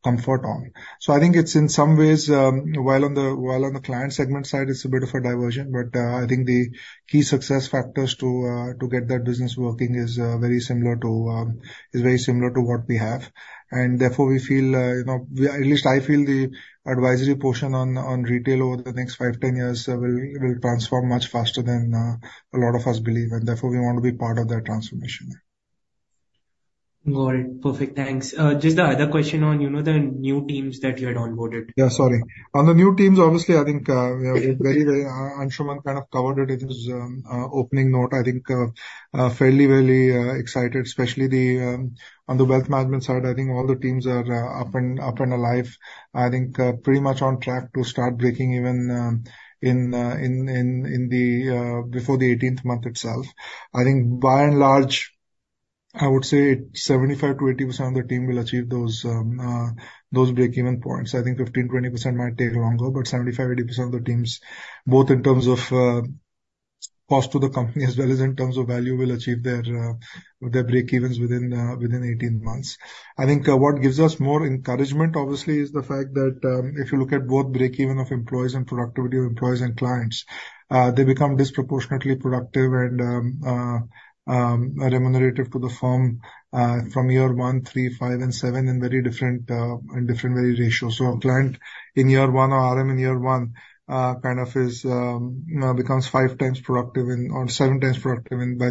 comfort on. I think it's in some ways, while on the client segment side, it's a bit of a diversion, but I think the key success factors to get that business working is very similar to what we have. Therefore, we feel, at least I feel, the advisory portion on retail over the next 5, 10 years will transform much faster than a lot of us believe. Therefore, we want to be part of that transformation. Got it. Perfect. Thanks. Just the other question on the new teams that you had onboarded. Yeah, sorry. On the new teams, obviously, I think we have very, very Anshuman kind of covered it in his opening note. I think fairly, very excited, especially on the wealth management side. I think all the teams are up and alive. I think pretty much on track to start breaking even before the 18th month itself. I think by and large, I would say 75%-80% of the team will achieve those break-even points. I think 15%-20% might take longer, but 75%-80% of the teams, both in terms of cost to the company as well as in terms of value, will achieve their break-evens within 18 months. I think what gives us more encouragement, obviously, is the fact that if you look at both break-even of employees and productivity of employees and clients, they become disproportionately productive and remunerative to the firm from year 1, 3, 5, and 7 in very different way ratios. So a client in year 1 or RM in year 1 kind of becomes 5 times productive or 7 times productive by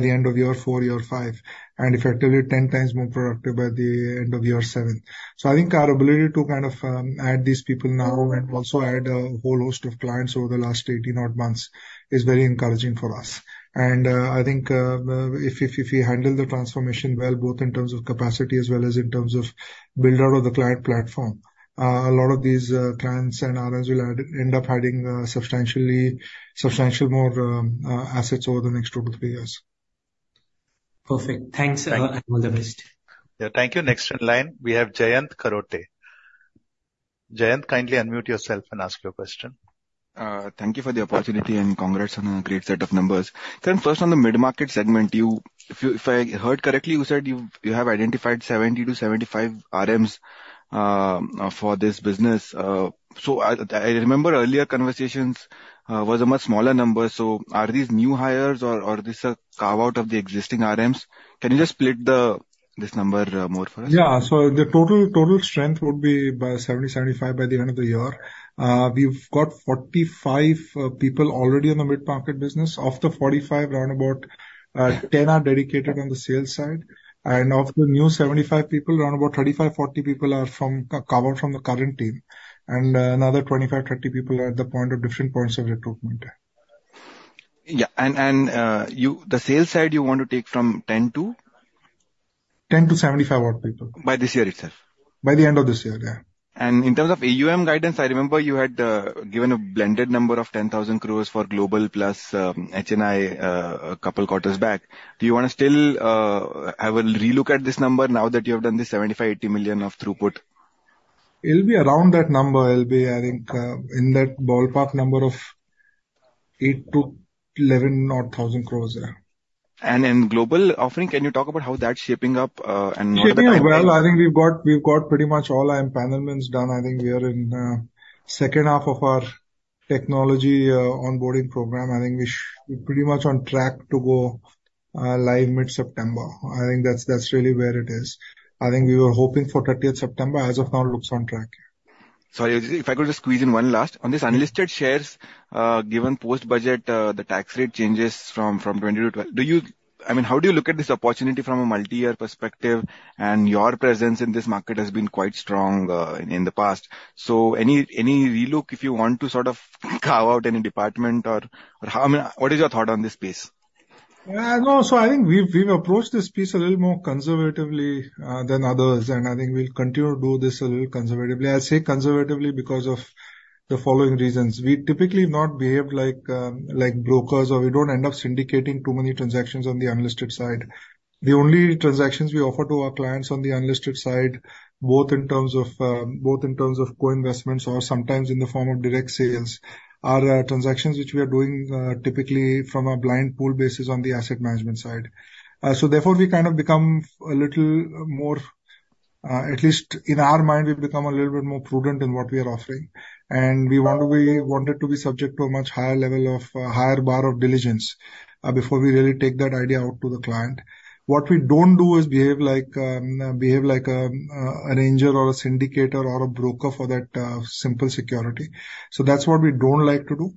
the end of year 4, year 5, and effectively 10 times more productive by the end of year 7. So I think our ability to kind of add these people now and also add a whole host of clients over the last 18-odd months is very encouraging for us. I think if we handle the transformation well, both in terms of capacity as well as in terms of build-out of the client platform, a lot of these clients and RMs will end up adding substantially more assets over the next 2-3 years. Perfect. Thanks, Anil. Have all the best. Yeah, thank you. Next in line, we have Jayant Kharote. Jayant, kindly unmute yourself and ask your question. Thank you for the opportunity and congrats on a great set of numbers. Karan, first on the mid-market segment, if I heard correctly, you said you have identified 70-75 RMs for this business. So I remember earlier conversations was a much smaller number. So are these new hires or this a carve-out of the existing RMs? Can you just split this number more for us? Yeah. So the total strength would be 70-75 by the end of the year. We've got 45 people already on the mid-market business. Of the 45, around about 10 are dedicated on the sales side. And of the new 75 people, around about 35-40 people are carved out from the current team. And another 25-30 people are at the point of different points of recruitment. Yeah. And the sales side, you want to take from 10 to? 10 to 75 odd people. By this year itself? By the end of this year, yeah. In terms of AUM guidance, I remember you had given a blended number of 10,000 crore for global plus HNI a couple of quarters back. Do you want to still have a relook at this number now that you have done this $75-$80 million of throughput? It'll be around that number. It'll be, I think, in that ballpark number of 8,000-11,000-odd crores, yeah. In global offering, can you talk about how that's shaping up or not? Shaping well. I think we've got pretty much all our empanelments done. I think we are in second half of our technology onboarding program. I think we're pretty much on track to go live mid-September. I think that's really where it is. I think we were hoping for 30th September. As of now, it looks on track. Sorry, if I could just squeeze in one last. On these unlisted shares, given post-budget, the tax rate changes from 20%-12%. I mean, how do you look at this opportunity from a multi-year perspective? And your presence in this market has been quite strong in the past. So any relook if you want to sort of carve out any department or what is your thought on this piece? Yeah. No, so I think we've approached this piece a little more conservatively than others. And I think we'll continue to do this a little conservatively. I say conservatively because of the following reasons. We typically not behave like brokers or we don't end up syndicating too many transactions on the unlisted side. The only transactions we offer to our clients on the unlisted side, both in terms of co-investments or sometimes in the form of direct sales, are transactions which we are doing typically from a blind pool basis on the asset management side. So therefore, we kind of become a little more, at least in our mind, we become a little bit more prudent in what we are offering. And we wanted to be subject to a much higher level of higher bar of diligence before we really take that idea out to the client. What we don't do is behave like an angel or a syndicator or a broker for that simple security. So that's what we don't like to do.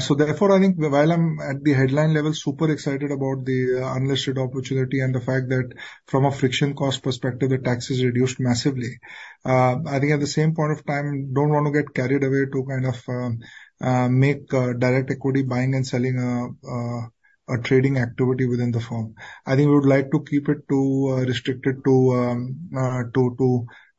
So therefore, I think while I'm at the headline level, super excited about the unlisted opportunity and the fact that from a friction cost perspective, the tax is reduced massively, I think at the same point of time, don't want to get carried away to kind of make direct equity buying and selling a trading activity within the firm. I think we would like to keep it restricted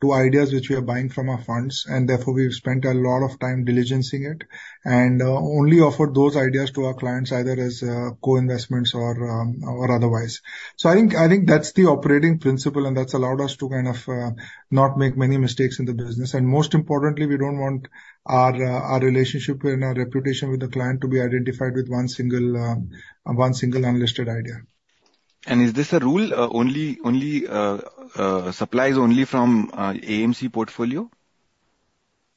to ideas which we are buying from our funds. And therefore, we've spent a lot of time diligencing it and only offered those ideas to our clients either as co-investments or otherwise. So I think that's the operating principle, and that's allowed us to kind of not make many mistakes in the business. Most importantly, we don't want our relationship and our reputation with the client to be identified with one single unlisted idea. Is this a rule? Only supplies only from AMC portfolio?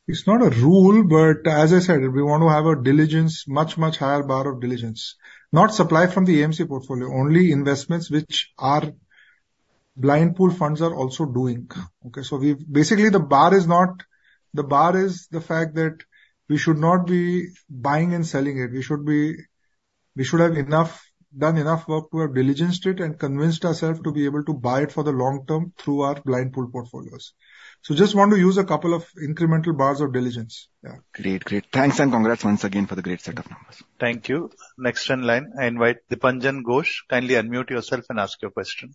It's not a rule, but as I said, we want to have a diligence, much, much higher bar of diligence. Not supply from the AMC portfolio. Only investments which our blind pool funds are also doing. Okay? So basically, the bar is not the bar is the fact that we should not be buying and selling it. We should have done enough work to have diligenced it and convinced ourselves to be able to buy it for the long term through our blind pool portfolios. So just want to use a couple of incremental bars of diligence. Yeah. Great. Great. Thanks and congrats once again for the great set of numbers. Thank you. Next in line, I invite Dipanjan Ghosh. Kindly unmute yourself and ask your question.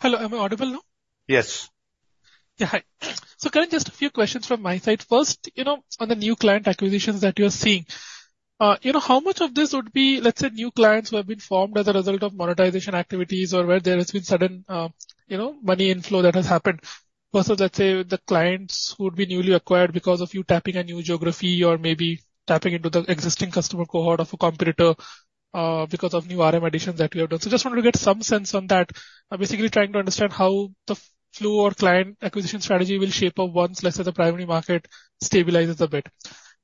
Hello. Am I audible now? Yes. Yeah. Hi. So Karan, just a few questions from my side. First, on the new client acquisitions that you're seeing, how much of this would be, let's say, new clients who have been formed as a result of monetization activities or where there has been sudden money inflow that has happened versus, let's say, the clients who would be newly acquired because of you tapping a new geography or maybe tapping into the existing customer cohort of a competitor because of new RM additions that you have done? So just wanted to get some sense on that. Basically trying to understand how the flow or client acquisition strategy will shape up once, let's say, the primary market stabilizes a bit.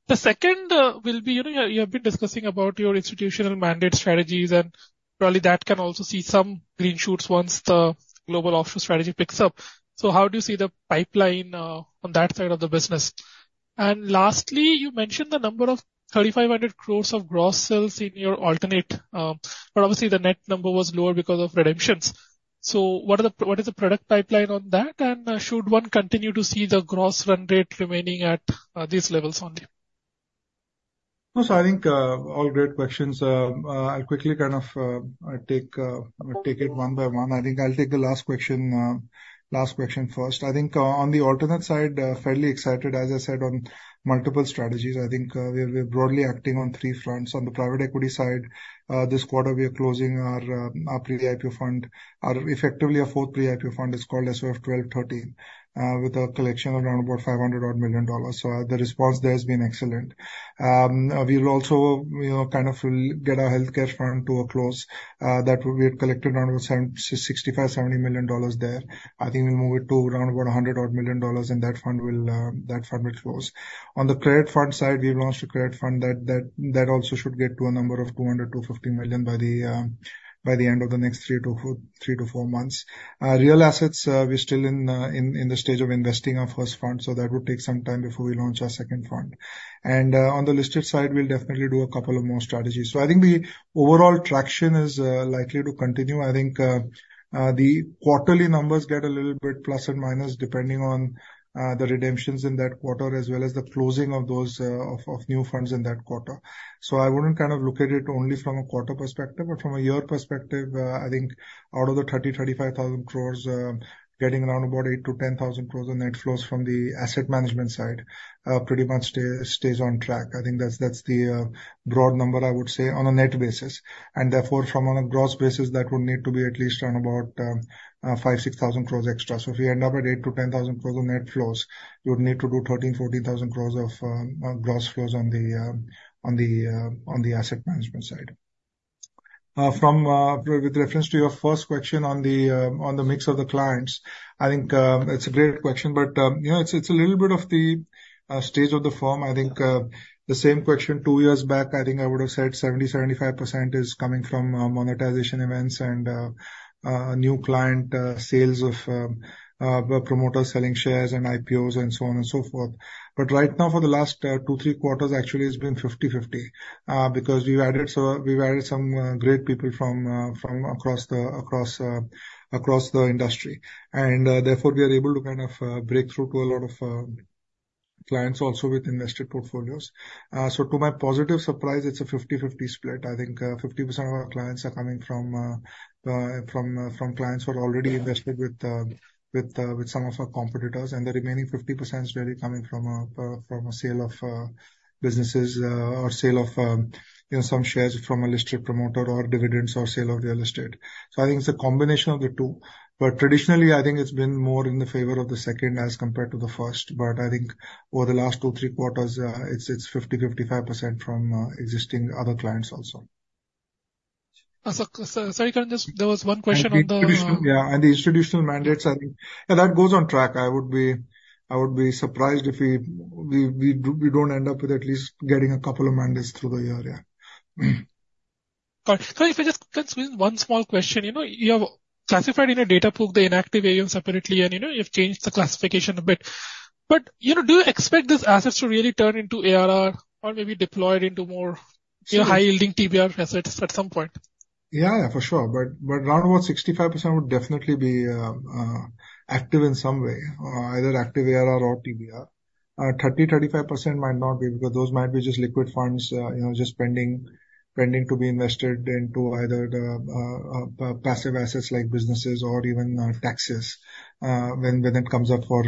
The second will be you have been discussing about your institutional mandate strategies, and probably that can also see some green shoots once the global offshore strategy picks up. So how do you see the pipeline on that side of the business? And lastly, you mentioned the number of 3,500 crore of gross sales in your alternatives, but obviously, the net number was lower because of redemptions. So what is the product pipeline on that? And should one continue to see the gross run rate remaining at these levels only? No, so I think all great questions. I'll quickly kind of take it one by one. I think I'll take the last question first. I think on the alternative side, fairly excited, as I said, on multiple strategies. I think we're broadly acting on three fronts. On the private equity side, this quarter, we are closing our pre-IPO fund. Effectively, our fourth pre-IPO fund is called SOF 12/13 with a collection of around about $500 million. So the response there has been excellent. We will also kind of get our healthcare fund to a close. That will be a collected around $65-$70 million there. I think we'll move it to around about $100 million and that fund will close. On the credit fund side, we've launched a credit fund that also should get to a number of $200-$250 million by the end of the next 3-4 months. Real assets, we're still in the stage of investing our first fund. So that would take some time before we launch our second fund. And on the listed side, we'll definitely do a couple of more strategies. So I think the overall traction is likely to continue. I think the quarterly numbers get a little bit plus and minus depending on the redemptions in that quarter as well as the closing of new funds in that quarter. So I wouldn't kind of look at it only from a quarter perspective, but from a year perspective, I think out of the 30,000 crore-35,000 crore, getting around about 8,000 crore-10,000 crore on net flows from the asset management side pretty much stays on track. I think that's the broad number, I would say, on a net basis. And therefore, from a gross basis, that would need to be at least around about 5,000 crore-6,000 crore extra. So if we end up at 8,000 crore-10,000 crore on net flows, you would need to do 13,000 crore-14,000 crore of gross flows on the asset management side. With reference to your first question on the mix of the clients, I think it's a great question, but it's a little bit of the stage of the firm. I think the same question two years back, I think I would have said 70%-75% is coming from monetization events and new client sales of promoters selling shares and IPOs and so on and so forth. But right now, for the last 2-3 quarters, actually, it's been 50/50 because we've added some great people from across the industry. And therefore, we are able to kind of break through to a lot of clients also with invested portfolios. So to my positive surprise, it's a 50/50 split. I think 50% of our clients are coming from clients who are already invested with some of our competitors. And the remaining 50% is really coming from a sale of businesses or sale of some shares from a listed promoter or dividends or sale of real estate. So I think it's a combination of the two. But traditionally, I think it's been more in the favor of the second as compared to the first. But I think over the last 2-3 quarters, it's 50%-55% from existing other clients also. Sorry, Karan, just there was one question on the. Yeah. The institutional mandates, I think that goes on track. I would be surprised if we don't end up with at least getting a couple of mandates through the year, yeah. Karan, if I just can squeeze in one small question. You have classified in your data pool the inactive AUM separately, and you've changed the classification a bit. But do you expect these assets to really turn into ARR or maybe deployed into more high-yielding TBR assets at some point? Yeah, yeah, for sure. But around about 65% would definitely be active in some way, either active ARR or TBR. 30%-35% might not be because those might be just liquid funds just pending to be invested into either passive assets like businesses or even taxes when it comes up for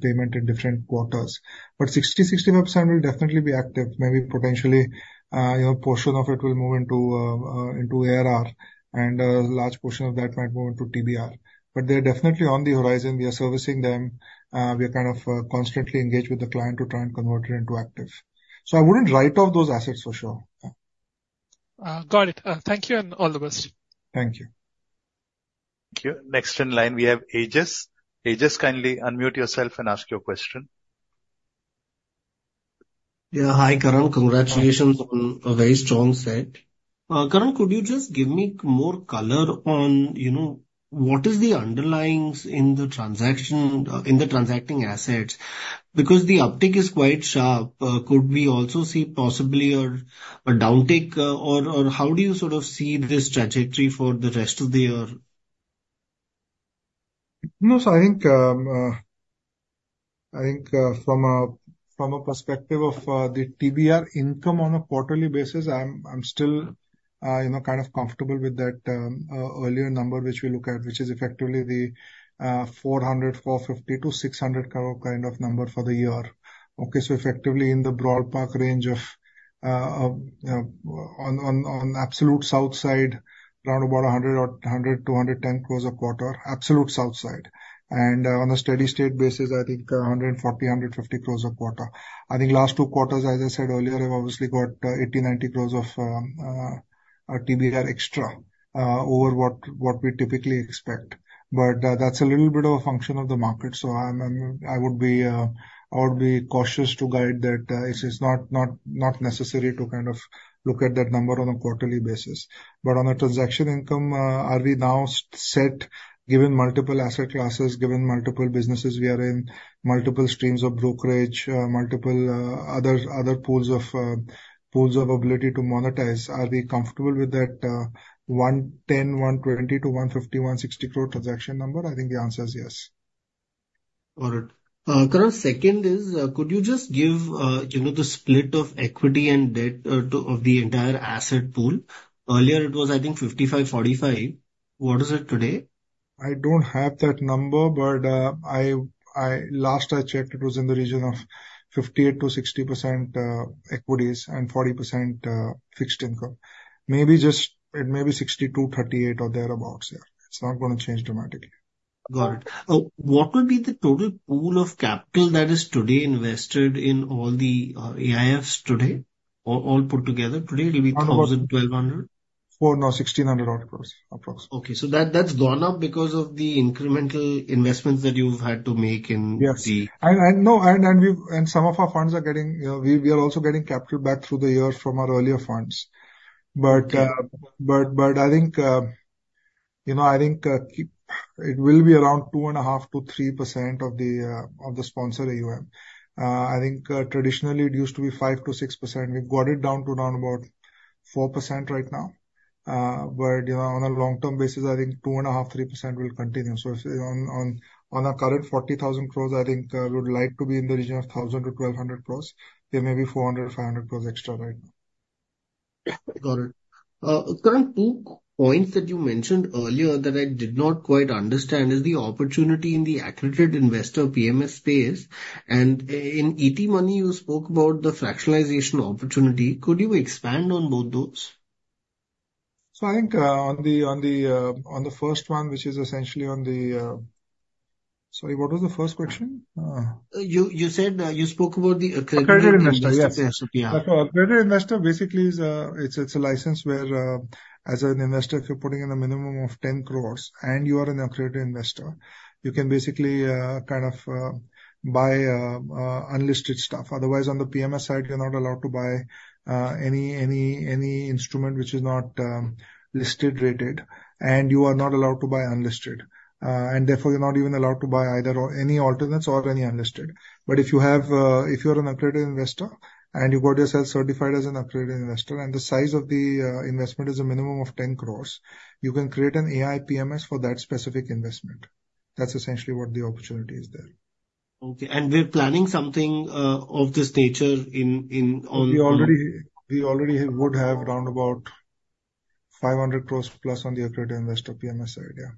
payment in different quarters. But 60%-65% will definitely be active. Maybe potentially a portion of it will move into ARR, and a large portion of that might move into TBR. But they're definitely on the horizon. We are servicing them. We are kind of constantly engaged with the client to try and convert it into active. So I wouldn't write off those assets for sure. Got it. Thank you and all the best. Thank you. Thank you. Next in line, we have Aejas. Aejas, kindly unmute yourself and ask your question. Yeah. Hi, Karan. Congratulations on a very strong set. Karan, could you just give me more color on what is the underlying in the transacting assets? Because the uptick is quite sharp. Could we also see possibly a downtick, or how do you sort of see this trajectory for the rest of the year? No, so I think from a perspective of the TBR income on a quarterly basis, I'm still kind of comfortable with that earlier number which we look at, which is effectively the 400, 450-600 kind of number for the year. Okay? So effectively in the ballpark range of on absolute downside, around about 100 or 100-110 crore a quarter, absolute downside. And on a steady state basis, I think 140-150 crore a quarter. I think last two quarters, as I said earlier, have obviously got INR 80-90 crore of TBR extra over what we typically expect. But that's a little bit of a function of the market. So I would be cautious to guide that it's not necessary to kind of look at that number on a quarterly basis. On the transaction income, are we now set, given multiple asset classes, given multiple businesses we are in, multiple streams of brokerage, multiple other pools of ability to monetize? Are we comfortable with that 110-120 crore to 150-160 crore transaction number? I think the answer is yes. Got it. Karan, second is, could you just give the split of equity and debt of the entire asset pool? Earlier, it was, I think, 55, 45. What is it today? I don't have that number, but last I checked, it was in the region of 58%-60% equities and 40% fixed income. It may be 62%, 38% or thereabouts. Yeah. It's not going to change dramatically. Got it. What would be the total pool of capital that is today invested in all the AIFs today or all put together today? It'll be 1,000, 1,200? No, 1,600 crores approximately. Okay. So that's gone up because of the incremental investments that you've had to make in the. Yes. Some of our funds are getting; we are also getting capital back through the years from our earlier funds. But I think it will be around 2.5%-3% of the sponsor AUM. I think traditionally, it used to be 5%-6%. We've got it down to around about 4% right now. But on a long-term basis, I think 2.5%-3% will continue. So on our current 40,000 crore, I think we would like to be in the region of 1,000 crore-1,200 crore. There may be 400-500 crore extra right now. Got it. Karan, two points that you mentioned earlier that I did not quite understand is the opportunity in the accredited investor PMS space. In ET Money, you spoke about the fractionalization opportunity. Could you expand on both those? So I think on the first one, which is essentially on the—sorry, what was the first question? You spoke about the accredited investor. Accredited investor, yes. So accredited investor, basically, it's a license where, as an investor, if you're putting in a minimum of 10 crore and you are an accredited investor, you can basically kind of buy unlisted stuff. Otherwise, on the PMS side, you're not allowed to buy any instrument which is not listed rated, and you are not allowed to buy unlisted. And therefore, you're not even allowed to buy either any alternates or any unlisted. But if you are an accredited investor and you got yourself certified as an accredited investor and the size of the investment is a minimum of 10 crore, you can create an AI PMS for that specific investment. That's essentially what the opportunity is there. Okay. And we're planning something of this nature on. We already would have around about 500 crore plus on the accredited investor PMS side. Yeah.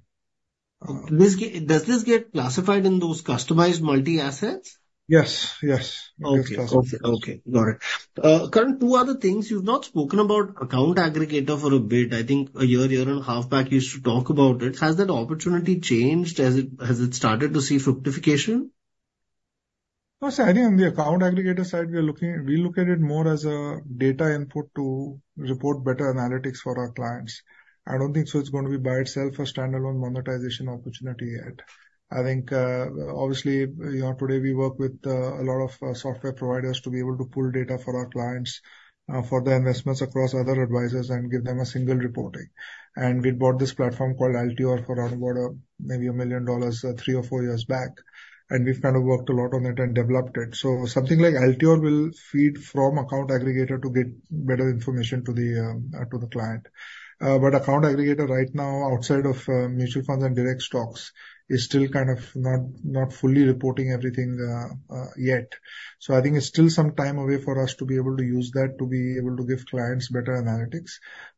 Does this get classified in those customized multi-assets? Yes. Yes. It gets classified. Okay. Got it. Karan, two other things. You've not spoken about Account Aggregator for a bit. I think a year, year and a half back, you used to talk about it. Has that opportunity changed as it started to see fructification? I think on the Account Aggregator side, we look at it more as data input to report better analytics for our clients. I don't think so, it's going to be by itself a standalone monetization opportunity yet. I think, obviously, today we work with a lot of software providers to be able to pull data for our clients for the investments across other advisors and give them a single reporting. And we bought this platform called Altiore for around about maybe $1 million 3 or 4 years back. And we've kind of worked a lot on it and developed it. So something like Altiore will feed from Account Aggregator to get better information to the client. But Account Aggregator right now, outside of mutual funds and direct stocks, is still kind of not fully reporting everything yet. So I think it's still some time away for us to be able to use that to be able to give clients better analytics.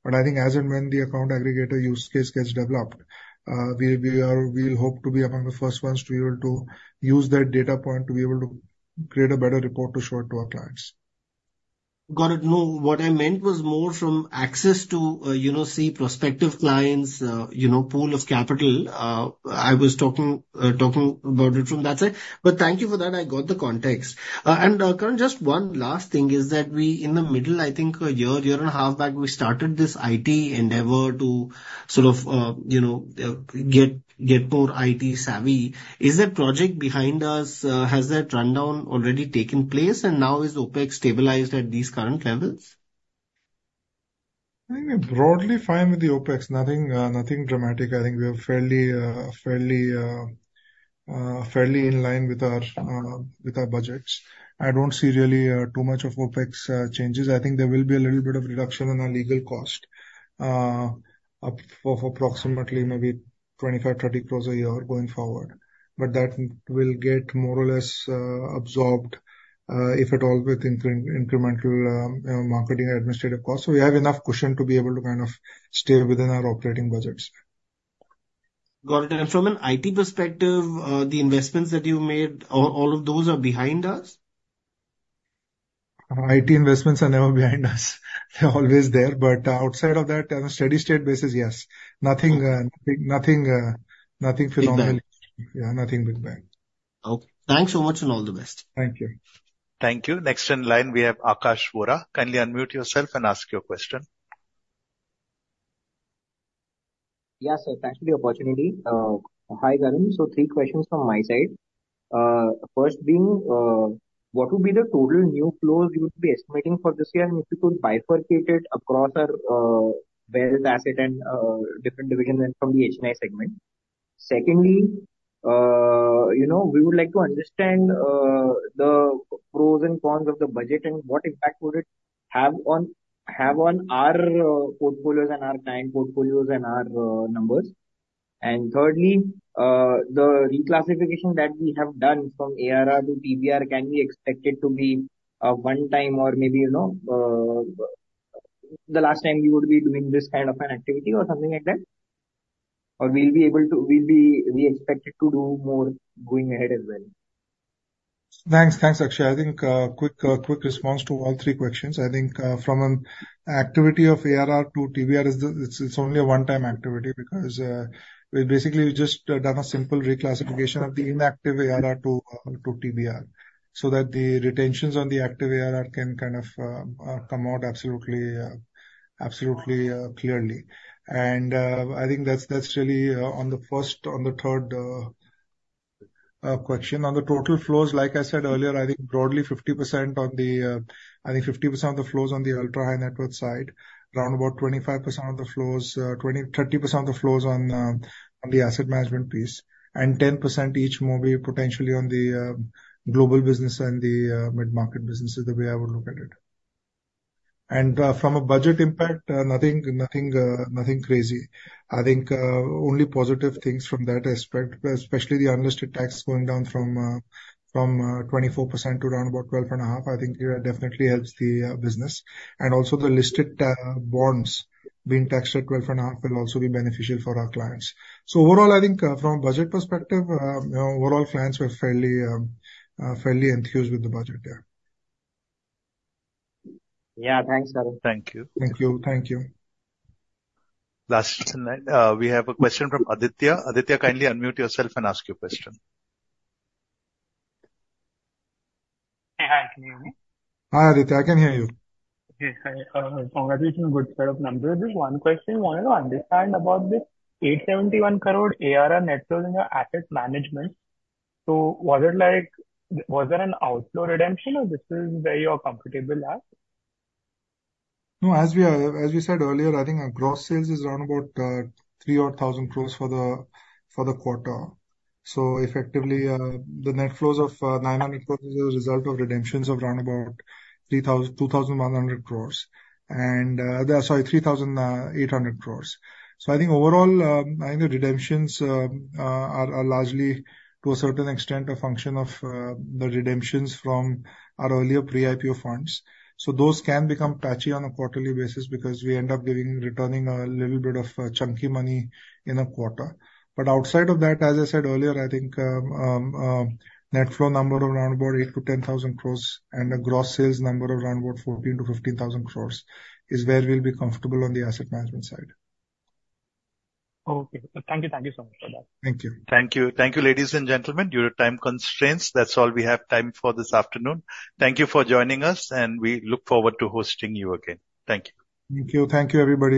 But I think as and when the Account Aggregator use case gets developed, we'll hope to be among the first ones to be able to use that data point to be able to create a better report to show it to our clients. Got it. No, what I meant was more from access to see prospective clients, pool of capital. I was talking about it from that side. But thank you for that. I got the context. Karan, just one last thing is that we, in the middle, I think a year, year and a half back, we started this IT endeavor to sort of get more IT-savvy. Is that project behind us? Has that rundown already taken place? And now is OPEX stabilized at these current levels? I think we're broadly fine with the OpEx. Nothing dramatic. I think we are fairly in line with our budgets. I don't see really too much of OpEx changes. I think there will be a little bit of reduction in our legal cost of approximately maybe 25-30 crore a year going forward. But that will get more or less absorbed, if at all, with incremental marketing administrative costs. So we have enough cushion to be able to kind of stay within our operating budgets. Got it. From an IT perspective, the investments that you made, all of those are behind us? IT investments are never behind us. They're always there. But outside of that, on a steady state basis, yes. Nothing phenomenal. Yeah, nothing big bang. Okay. Thanks so much and all the best. Thank you. Thank you. Next in line, we have Akash Vora. Kindly unmute yourself and ask your question. Yes, sir. Thanks for the opportunity. Hi, Karan. So three questions from my side. First being, what would be the total new flows you would be estimating for this year? And if you could bifurcate it across our wealth asset and different divisions and from the HNI segment. Secondly, we would like to understand the pros and cons of the budget and what impact would it have on our portfolios and our client portfolios and our numbers. And thirdly, the reclassification that we have done from ARR to TBR can be expected to be a one-time or maybe the last time you would be doing this kind of an activity or something like that? Or will we be expected to do more going ahead as well? Thanks. Thanks, Akshay. I think quick response to all three questions. I think from an activity of ARR to TBR, it's only a one-time activity because we basically just done a simple reclassification of the inactive ARR to TBR so that the retentions on the active ARR can kind of come out absolutely clearly. And I think that's really on the third question. On the total flows, like I said earlier, I think broadly 50% on the I think 50% of the flows on the ultra-high net worth side, around about 25% of the flows, 30% of the flows on the asset management piece, and 10% each maybe potentially on the global business and the mid-market business is the way I would look at it. And from a budget impact, nothing crazy. I think only positive things from that aspect, especially the unlisted tax going down from 24% to around about 12.5. I think it definitely helps the business. And also the listed bonds being taxed at 12.5 will also be beneficial for our clients. So overall, I think from a budget perspective, overall clients were fairly enthused with the budget. Yeah. Yeah. Thanks, Karan. Thank you. Thank you. Thank you. Last in line, we have a question from Aditya. Aditya, kindly unmute yourself and ask your question. Hey, hi. Can you hear me? Hi, Aditya. I can hear you. Okay. Hi. Congratulations on a good set of numbers. Just one question. We wanted to understand about the 871 crore ARR net flows in your asset management. So was it like was there an outflow redemption or this is where you are comfortable at? No, as we said earlier, I think our gross sales is around about 3,000 crore for the quarter. So effectively, the net flows of 900 crore is a result of redemptions of around about 2,100 crore. And sorry, 3,800 crore. So I think overall, I think the redemptions are largely, to a certain extent, a function of the redemptions from our earlier pre-IPO funds. So those can become patchy on a quarterly basis because we end up returning a little bit of chunky money in a quarter. But outside of that, as I said earlier, I think net flow number of around about 8,000-10,000 crore and a gross sales number of around about 14,000-15,000 crore is where we'll be comfortable on the asset management side. Okay. Thank you. Thank you so much for that. Thank you. Thank you. Thank you, ladies and gentlemen. Due to time constraints, that's all we have time for this afternoon. Thank you for joining us, and we look forward to hosting you again. Thank you. Thank you. Thank you, everybody.